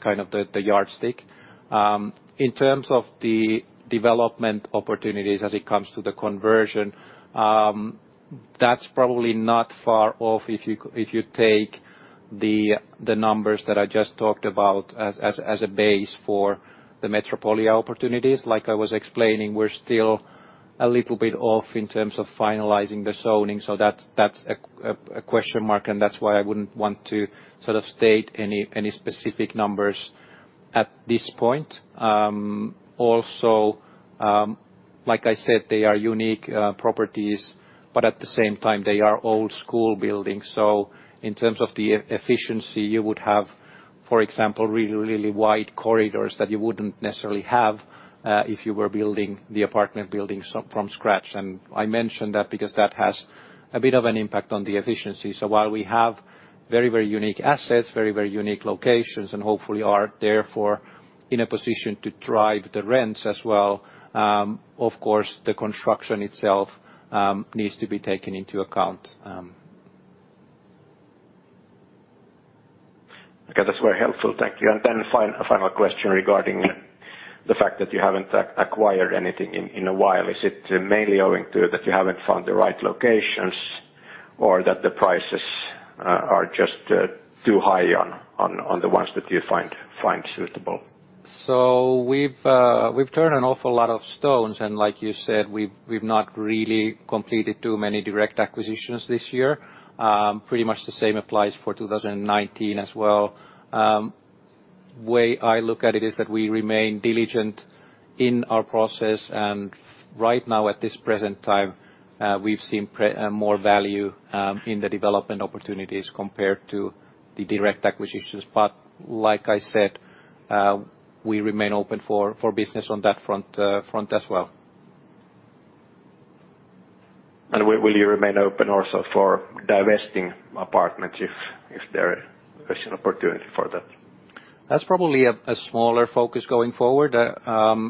kind of the yardstick. In terms of the development opportunities as it comes to the conversion, that's probably not far off if you take the numbers that I just talked about as a base for the Metropolia opportunities. Like I was explaining, we're still a little bit off in terms of finalizing the zoning. That's a question mark, and that's why I wouldn't want to sort of state any specific numbers at this point. Also, like I said, they are unique properties, but at the same time, they are old-school buildings. In terms of the efficiency, you would have, for example, really, really wide corridors that you wouldn't necessarily have if you were building the apartment building from scratch. I mentioned that because that has a bit of an impact on the efficiency. While we have very, very unique assets, very, very unique locations, and hopefully are therefore in a position to drive the rents as well, of course, the construction itself needs to be taken into account. Okay, that's very helpful. Thank you. Final question regarding the fact that you haven't acquired anything in a while. Is it mainly owing to that you haven't found the right locations or that the prices are just too high on the ones that you find suitable? We've turned an awful lot of stones, and like you said, we've not really completed too many direct acquisitions this year. Pretty much the same applies for 2019 as well. The way I look at it is that we remain diligent in our process, and right now, at this present time, we've seen more value in the development opportunities compared to the direct acquisitions. Like I said, we remain open for business on that front as well. Will you remain open also for divesting apartments if there is an opportunity for that? That's probably a smaller focus going forward.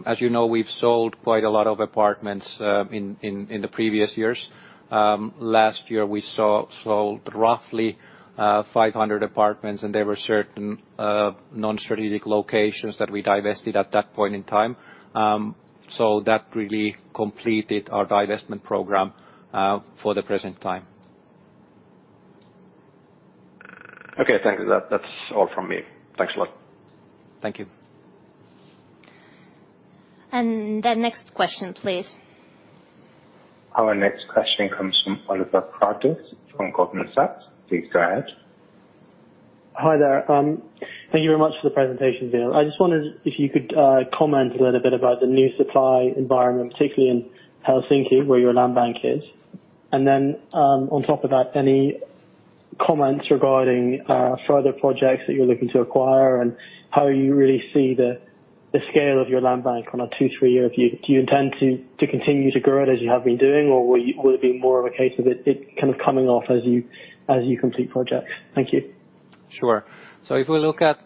As you know, we've sold quite a lot of apartments in the previous years. Last year, we sold roughly 500 apartments, and there were certain non-strategic locations that we divested at that point in time. That really completed our divestment program for the present time. Okay, thank you. That's all from me. Thanks a lot. Thank you. Next question, please. Our next question comes from Oliver Carruthers from Goldman Sachs. Please go ahead. Hi there. Thank you very much for the presentation, Ville. I just wondered if you could comment a little bit about the new supply environment, particularly in Helsinki, where your land bank is. On top of that, any comments regarding further projects that you're looking to acquire and how you really see the scale of your land bank on a two, three-year view? Do you intend to continue to grow it as you have been doing, or will it be more of a case of it kind of coming off as you complete projects? Thank you. Sure. If we look at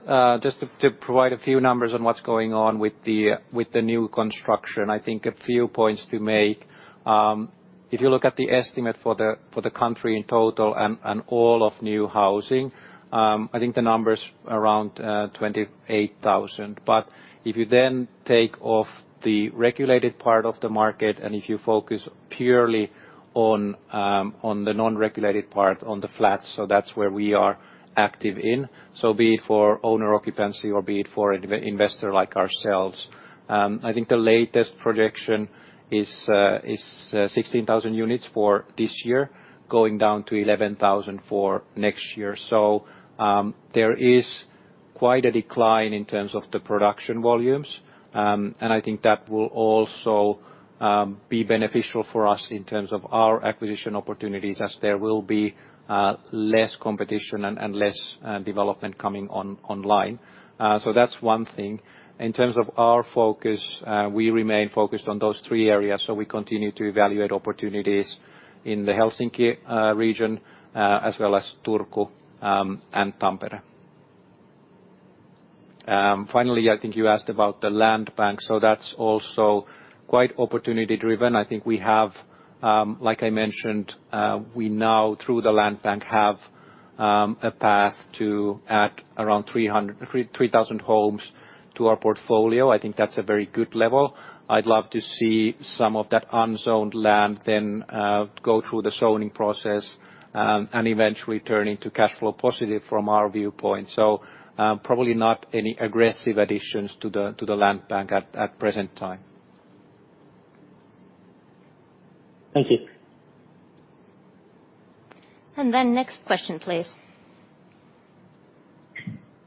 just to provide a few numbers on what's going on with the new construction, I think a few points to make. If you look at the estimate for the country in total and all of new housing, I think the number's around 28,000. If you then take off the regulated part of the market and if you focus purely on the non-regulated part, on the flats, that's where we are active in, so be it for owner occupancy or be it for an investor like ourselves, I think the latest projection is 16,000 units for this year, going down to 11,000 for next year. There is quite a decline in terms of the production volumes, and I think that will also be beneficial for us in terms of our acquisition opportunities as there will be less competition and less development coming online. That is one thing. In terms of our focus, we remain focused on those three areas, so we continue to evaluate opportunities in the Helsinki region as well as Turku and Tampere. Finally, I think you asked about the land bank, so that is also quite opportunity-driven. I think we have, like I mentioned, we now, through the land bank, have a path to add around 3,000 homes to our portfolio. I think that is a very good level. I would love to see some of that unzoned land then go through the zoning process and eventually turn into cash flow positive from our viewpoint. Probably not any aggressive additions to the land bank at present time. Thank you. Next question, please.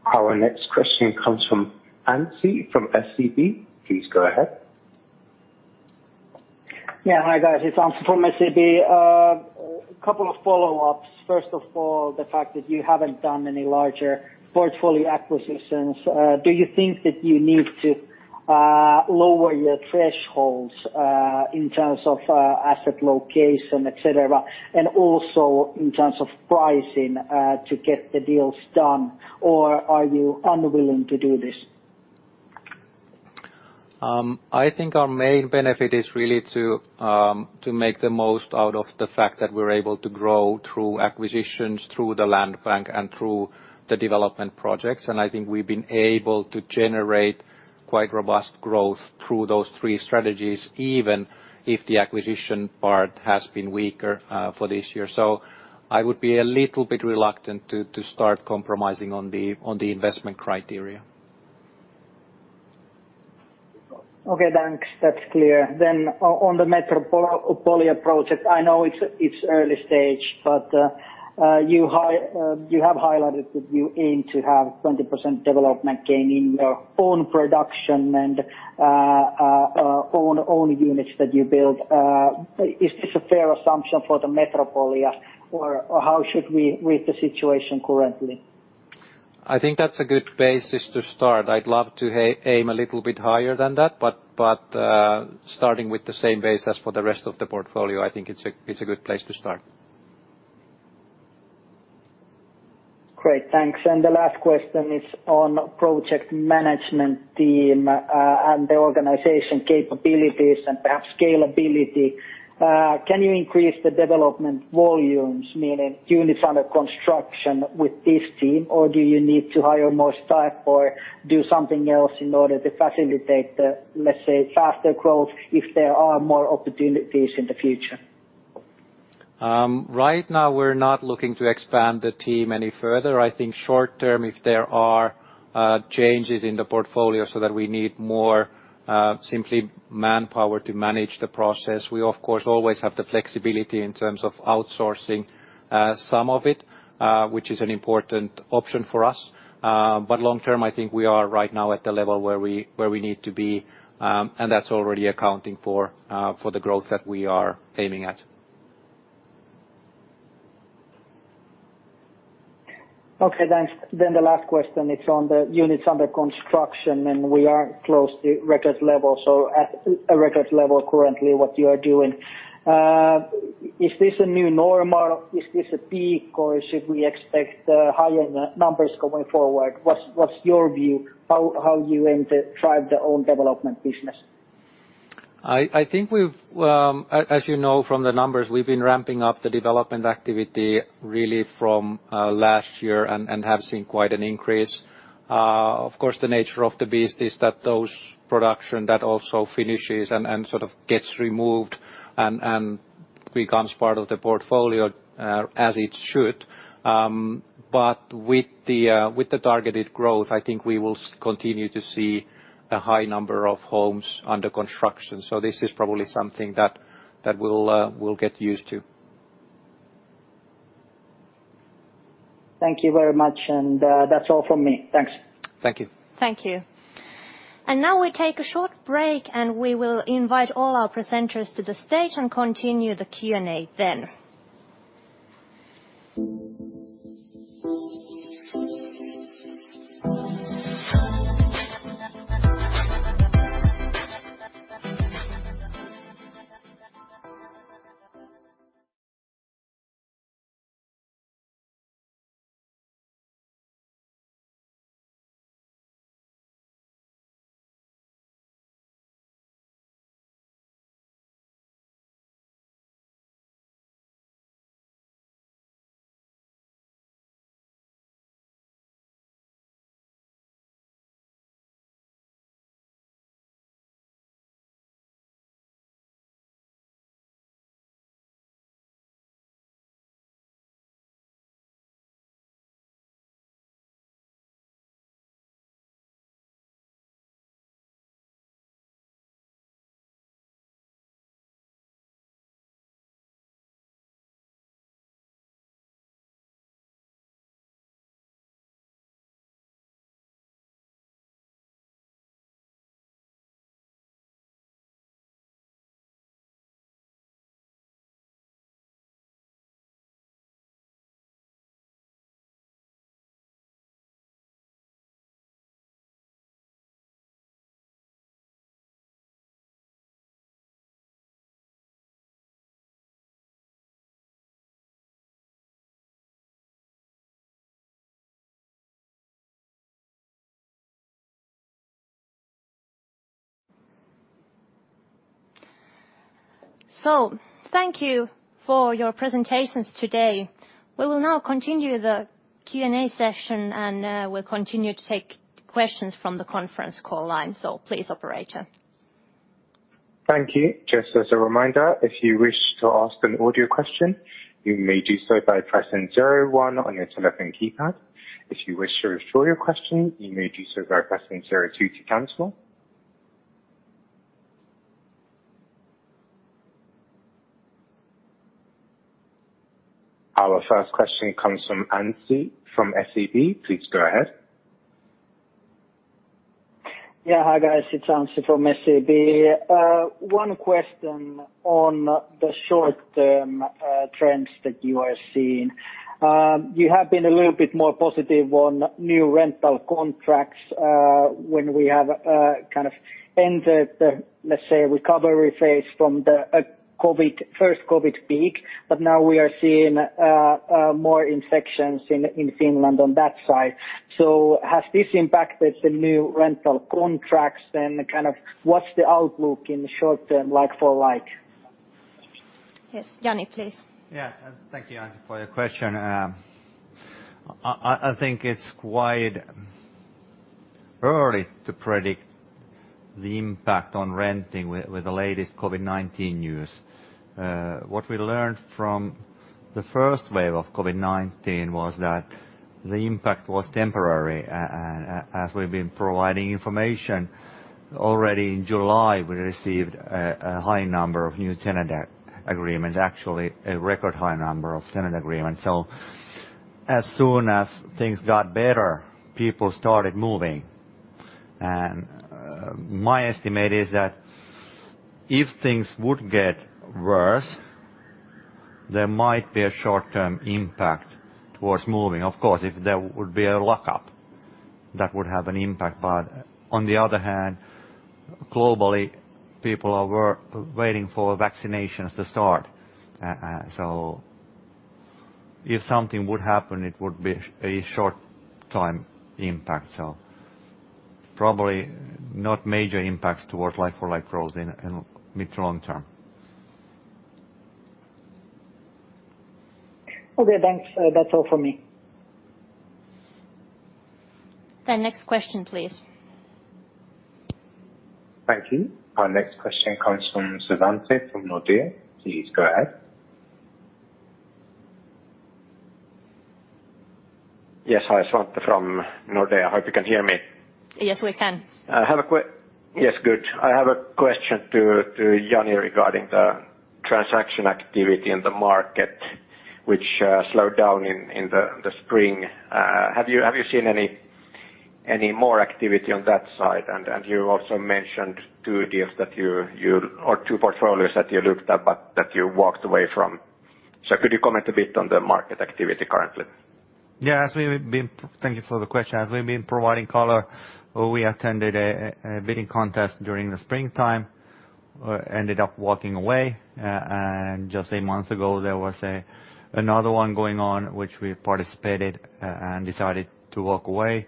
Our next question comes from Anssi from SEB. Please go ahead. Yeah, hi guys. It's Anssi from SEB. A couple of follow-ups. First of all, the fact that you haven't done any larger portfolio acquisitions. Do you think that you need to lower your thresholds in terms of asset location, etc., and also in terms of pricing to get the deals done, or are you unwilling to do this? I think our main benefit is really to make the most out of the fact that we're able to grow through acquisitions, through the land bank, and through the development projects. I think we've been able to generate quite robust growth through those three strategies, even if the acquisition part has been weaker for this year. I would be a little bit reluctant to start compromising on the investment criteria. Okay, thanks. That's clear. On the Metropolia project, I know it's early stage, but you have highlighted that you aim to have 20% development gain in your own production and own units that you build. Is this a fair assumption for the Metropolia, or how should we read the situation currently? I think that's a good basis to start. I'd love to aim a little bit higher than that, but starting with the same base as for the rest of the portfolio, I think it's a good place to start. Great, thanks. The last question is on project management team and the organization capabilities and perhaps scalability. Can you increase the development volumes, meaning units under construction, with this team, or do you need to hire more staff or do something else in order to facilitate the, let's say, faster growth if there are more opportunities in the future? Right now, we're not looking to expand the team any further. I think short-term, if there are changes in the portfolio so that we need more simply manpower to manage the process, we, of course, always have the flexibility in terms of outsourcing some of it, which is an important option for us. Long-term, I think we are right now at the level where we need to be, and that's already accounting for the growth that we are aiming at. Okay, thanks. The last question, it's on the units under construction, and we are close to record level, so at a record level currently what you are doing. Is this a new norm, or is this a peak, or should we expect higher numbers going forward? What's your view? How do you aim to drive the own development business? I think, as you know from the numbers, we've been ramping up the development activity really from last year and have seen quite an increase. Of course, the nature of the beast is that those production that also finishes and sort of gets removed and becomes part of the portfolio as it should. With the targeted growth, I think we will continue to see a high number of homes under construction. This is probably something that we'll get used to. Thank you very much, and that's all from me. Thanks. Thank you. Thank you. We take a short break, and we will invite all our presenters to the stage and continue the Q&A then. Thank you for your presentations today. We will now continue the Q&A session, and we will continue to take questions from the conference call line. Please, operator. Thank you. Just as a reminder, if you wish to ask an audio question, you may do so by pressing zero one on your telephone keypad. If you wish to withdraw your question, you may do so by pressing zero two to cancel. Our first question comes from Anssi from SEB. Please go ahead. Yeah, hi guys. It's Anssi from SEB. One question on the short-term trends that you are seeing. You have been a little bit more positive on new rental contracts when we have kind of entered, let's say, a recovery phase from the first COVID peak, but now we are seeing more infections in Finland on that side. Has this impacted the new rental contracts, and kind of what's the outlook in the short-term like for like? Yes, Jani, please. Yeah, thank you, Anssi, for your question. I think it's quite early to predict the impact on renting with the latest COVID-19 news. What we learned from the first wave of COVID-19 was that the impact was temporary. As we've been providing information, already in July, we received a high number of new tenant agreements, actually a record high number of tenant agreements. As soon as things got better, people started moving. My estimate is that if things would get worse, there might be a short-term impact towards moving. Of course, if there would be a lockup, that would have an impact. On the other hand, globally, people are waiting for vaccinations to start. If something would happen, it would be a short-term impact. Probably not major impacts towards like-for-like growth in the mid to long term. Okay, thanks. That's all from me. The next question, please. Thank you. Our next question comes from Svante from Nordea. Please go ahead. Yes, hi from Nordea. I hope you can hear me. Yes, we can. Yes, good. I have a question to Jani regarding the transaction activity in the market, which slowed down in the spring. Have you seen any more activity on that side? You also mentioned two deals that you or two portfolios that you looked at, but that you walked away from. Could you comment a bit on the market activity currently? Yeah, thank you for the question. As we've been providing color, we attended a bidding contest during the springtime, ended up walking away. Just a month ago, there was another one going on, which we participated in and decided to walk away.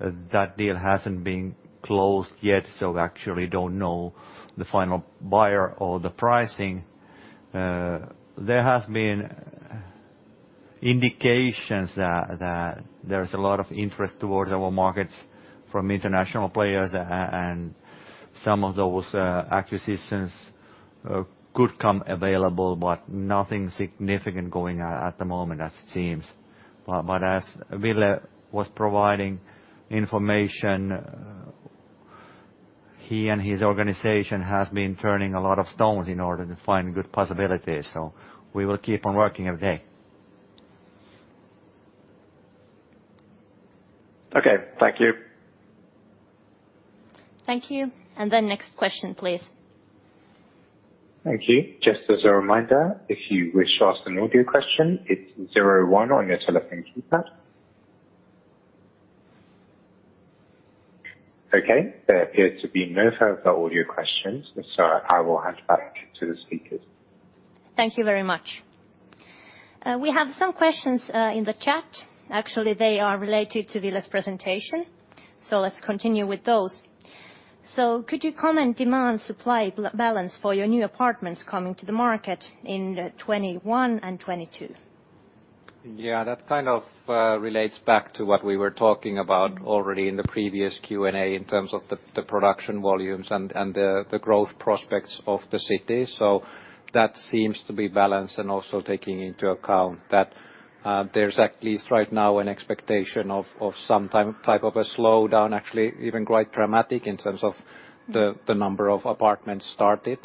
That deal has not been closed yet, so we actually do not know the final buyer or the pricing. There have been indications that there is a lot of interest towards our markets from international players, and some of those acquisitions could come available, but nothing significant going at the moment as it seems. As Ville was providing information, he and his organization have been turning a lot of stones in order to find good possibilities. We will keep on working every day. Okay, thank you. Thank you. Next question, please. Thank you. Just as a reminder, if you wish to ask an audio question, it is zero one on your telephone keypad. Okay, there appears to be no further audio questions, so I will hand back to the speakers. Thank you very much. We have some questions in the chat. Actually, they are related to Ville's presentation, so let's continue with those. Could you comment on demand-supply balance for your new apartments coming to the market in 2021 and 2022? Yeah, that kind of relates back to what we were talking about already in the previous Q&A in terms of the production volumes and the growth prospects of the city. That seems to be balanced and also taking into account that there's at least right now an expectation of some type of a slowdown, actually even quite dramatic in terms of the number of apartments started.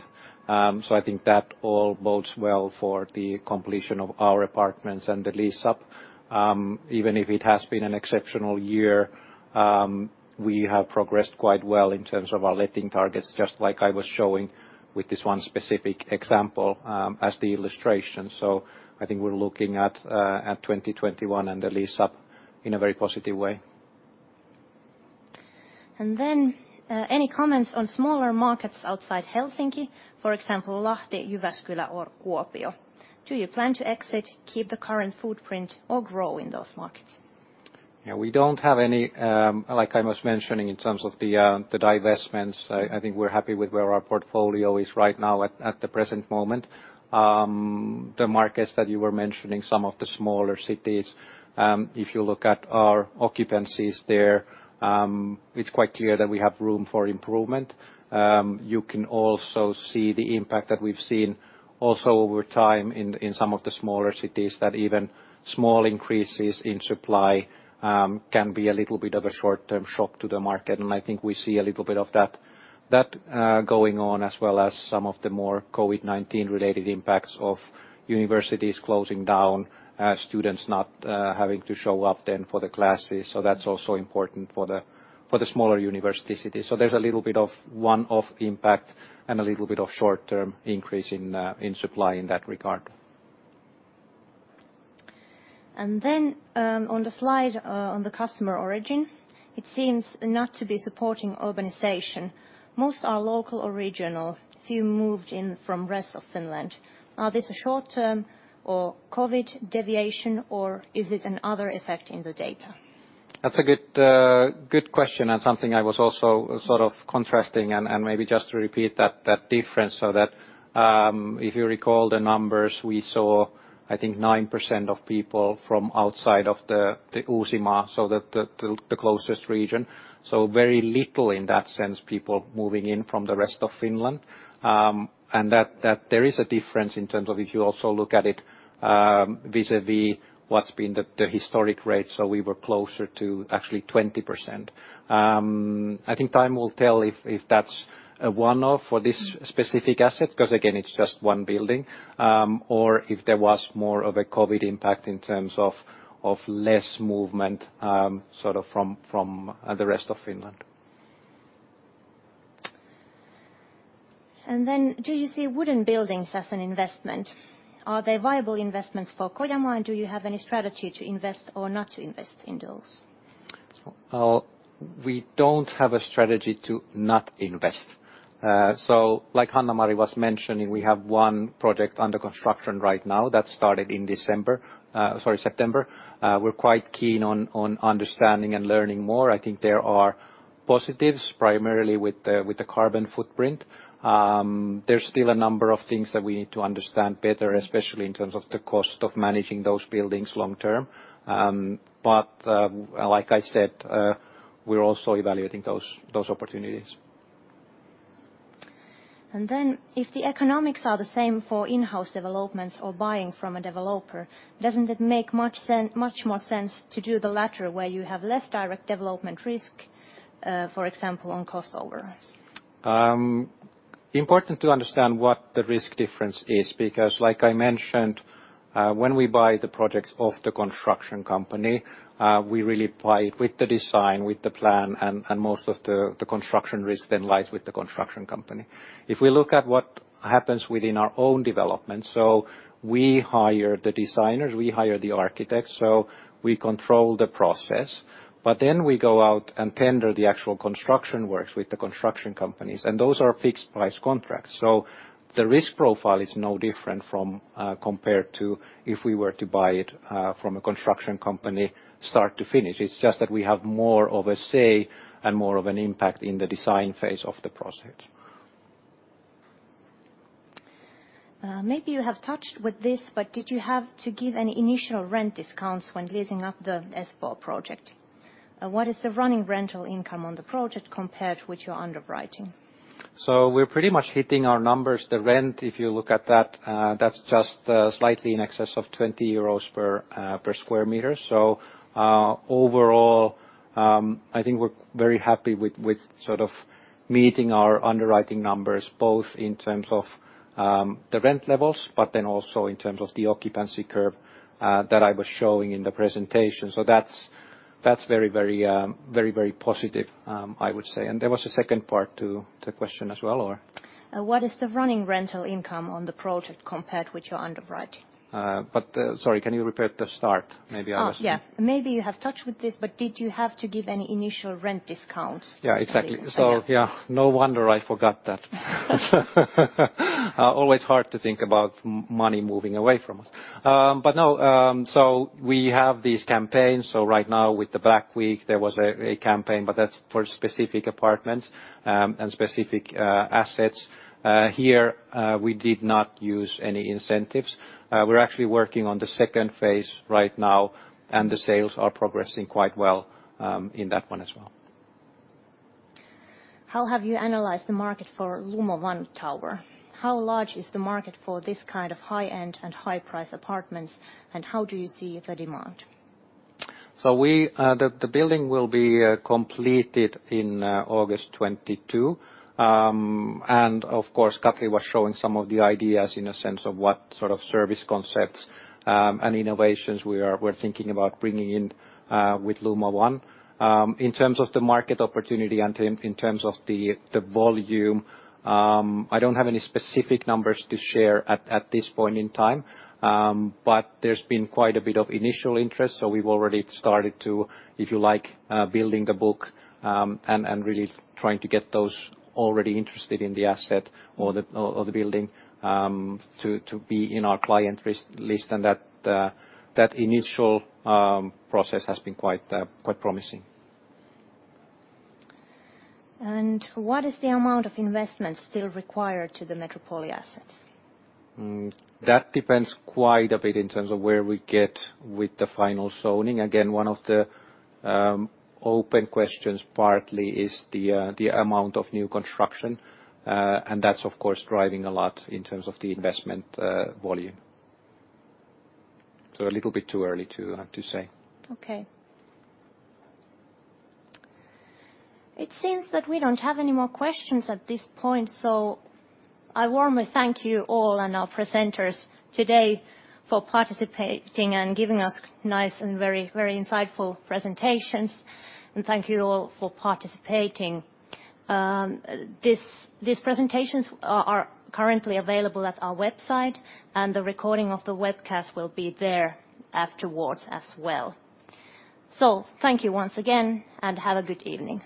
I think that all bodes well for the completion of our apartments and the lease-up. Even if it has been an exceptional year, we have progressed quite well in terms of our letting targets, just like I was showing with this one specific example as the illustration. I think we're looking at 2021 and the lease-up in a very positive way. Any comments on smaller markets outside Helsinki, for example, Lahti, Jyväskylä, or Kuopio? Do you plan to exit, keep the current footprint, or grow in those markets? Yeah, we do not have any, like I was mentioning, in terms of the divestments. I think we are happy with where our portfolio is right now at the present moment. The markets that you were mentioning, some of the smaller cities, if you look at our occupancies there, it is quite clear that we have room for improvement. You can also see the impact that we have seen also over time in some of the smaller cities that even small increases in supply can be a little bit of a short-term shock to the market. I think we see a little bit of that going on as well as some of the more COVID-19-related impacts of universities closing down, students not having to show up then for the classes. That is also important for the smaller university cities. There's a little bit of one-off impact and a little bit of short-term increase in supply in that regard. On the slide on the customer origin, it seems not to be supporting urbanization. Most are local or regional, few moved in from the rest of Finland. Are these short-term or COVID deviation, or is it another effect in the data? That's a good question and something I was also sort of contrasting and maybe just to repeat that difference. If you recall the numbers, we saw, I think, 9% of people from outside of the Uusimaa, so the closest region. Very little in that sense, people moving in from the rest of Finland. There is a difference in terms of if you also look at it vis-à-vis what's been the historic rate. We were closer to actually 20%. I think time will tell if that's a one-off for this specific asset, because again, it's just one building, or if there was more of a COVID impact in terms of less movement from the rest of Finland. Do you see wooden buildings as an investment? Are they viable investments for Kojamo, and do you have any strategy to invest or not to invest in those? We don't have a strategy to not invest. Like Hannamari was mentioning, we have one project under construction right now that started in September. We're quite keen on understanding and learning more. I think there are positives primarily with the carbon footprint. There's still a number of things that we need to understand better, especially in terms of the cost of managing those buildings long-term. Like I said, we're also evaluating those opportunities. If the economics are the same for in-house developments or buying from a developer, does it not make much more sense to do the latter where you have less direct development risk, for example, on cost overruns? Important to understand what the risk difference is, because like I mentioned, when we buy the projects of the construction company, we really buy it with the design, with the plan, and most of the construction risk then lies with the construction company. If we look at what happens within our own development, we hire the designers, we hire the architects, so we control the process. We go out and tender the actual construction works with the construction companies, and those are fixed-price contracts. The risk profile is no different compared to if we were to buy it from a construction company start to finish. It's just that we have more of a say and more of an impact in the design phase of the project. Maybe you have touched on this, but did you have to give any initial rent discounts when leasing up the Espoo project? What is the running rental income on the project compared with your underwriting? We're pretty much hitting our numbers. The rent, if you look at that, that's just slightly in excess of 20 euros per sq m. Overall, I think we're very happy with sort of meeting our underwriting numbers, both in terms of the rent levels, but then also in terms of the occupancy curve that I was showing in the presentation. That's very, very positive, I would say. There was a second part to the question as well, or? What is the running rental income on the project compared with your underwriting? Sorry, can you repeat the start? Maybe I was. Oh, yeah. Maybe you have touched with this, but did you have to give any initial rent discounts? Yeah, exactly. Yeah, no wonder I forgot that. Always hard to think about money moving away from us. No, we have these campaigns. Right now with the Black Week, there was a campaign, but that is for specific apartments and specific assets. Here, we did not use any incentives. We are actually working on the second phase right now, and the sales are progressing quite well in that one as well. How have you analyzed the market for Lumo One Tower? How large is the market for this kind of high-end and high-priced apartments, and how do you see the demand? The building will be completed in August 2022. Kathleen was showing some of the ideas in a sense of what sort of service concepts and innovations we are thinking about bringing in with Lumo One. In terms of the market opportunity and in terms of the volume, I do not have any specific numbers to share at this point in time, but there has been quite a bit of initial interest. We have already started to, if you like, build the book and really try to get those already interested in the asset or the building to be in our client list. That initial process has been quite promising. What is the amount of investment still required to the Metropolia assets? That depends quite a bit in terms of where we get with the final zoning. Again, one of the open questions partly is the amount of new construction, and that is, of course, driving a lot in terms of the investment volume. A little bit too early to say. Okay. It seems that we do not have any more questions at this point, so I warmly thank you all and our presenters today for participating and giving us nice and very, very insightful presentations. Thank you all for participating. These presentations are currently available at our website, and the recording of the webcast will be there afterwards as well. Thank you once again, and have a good evening.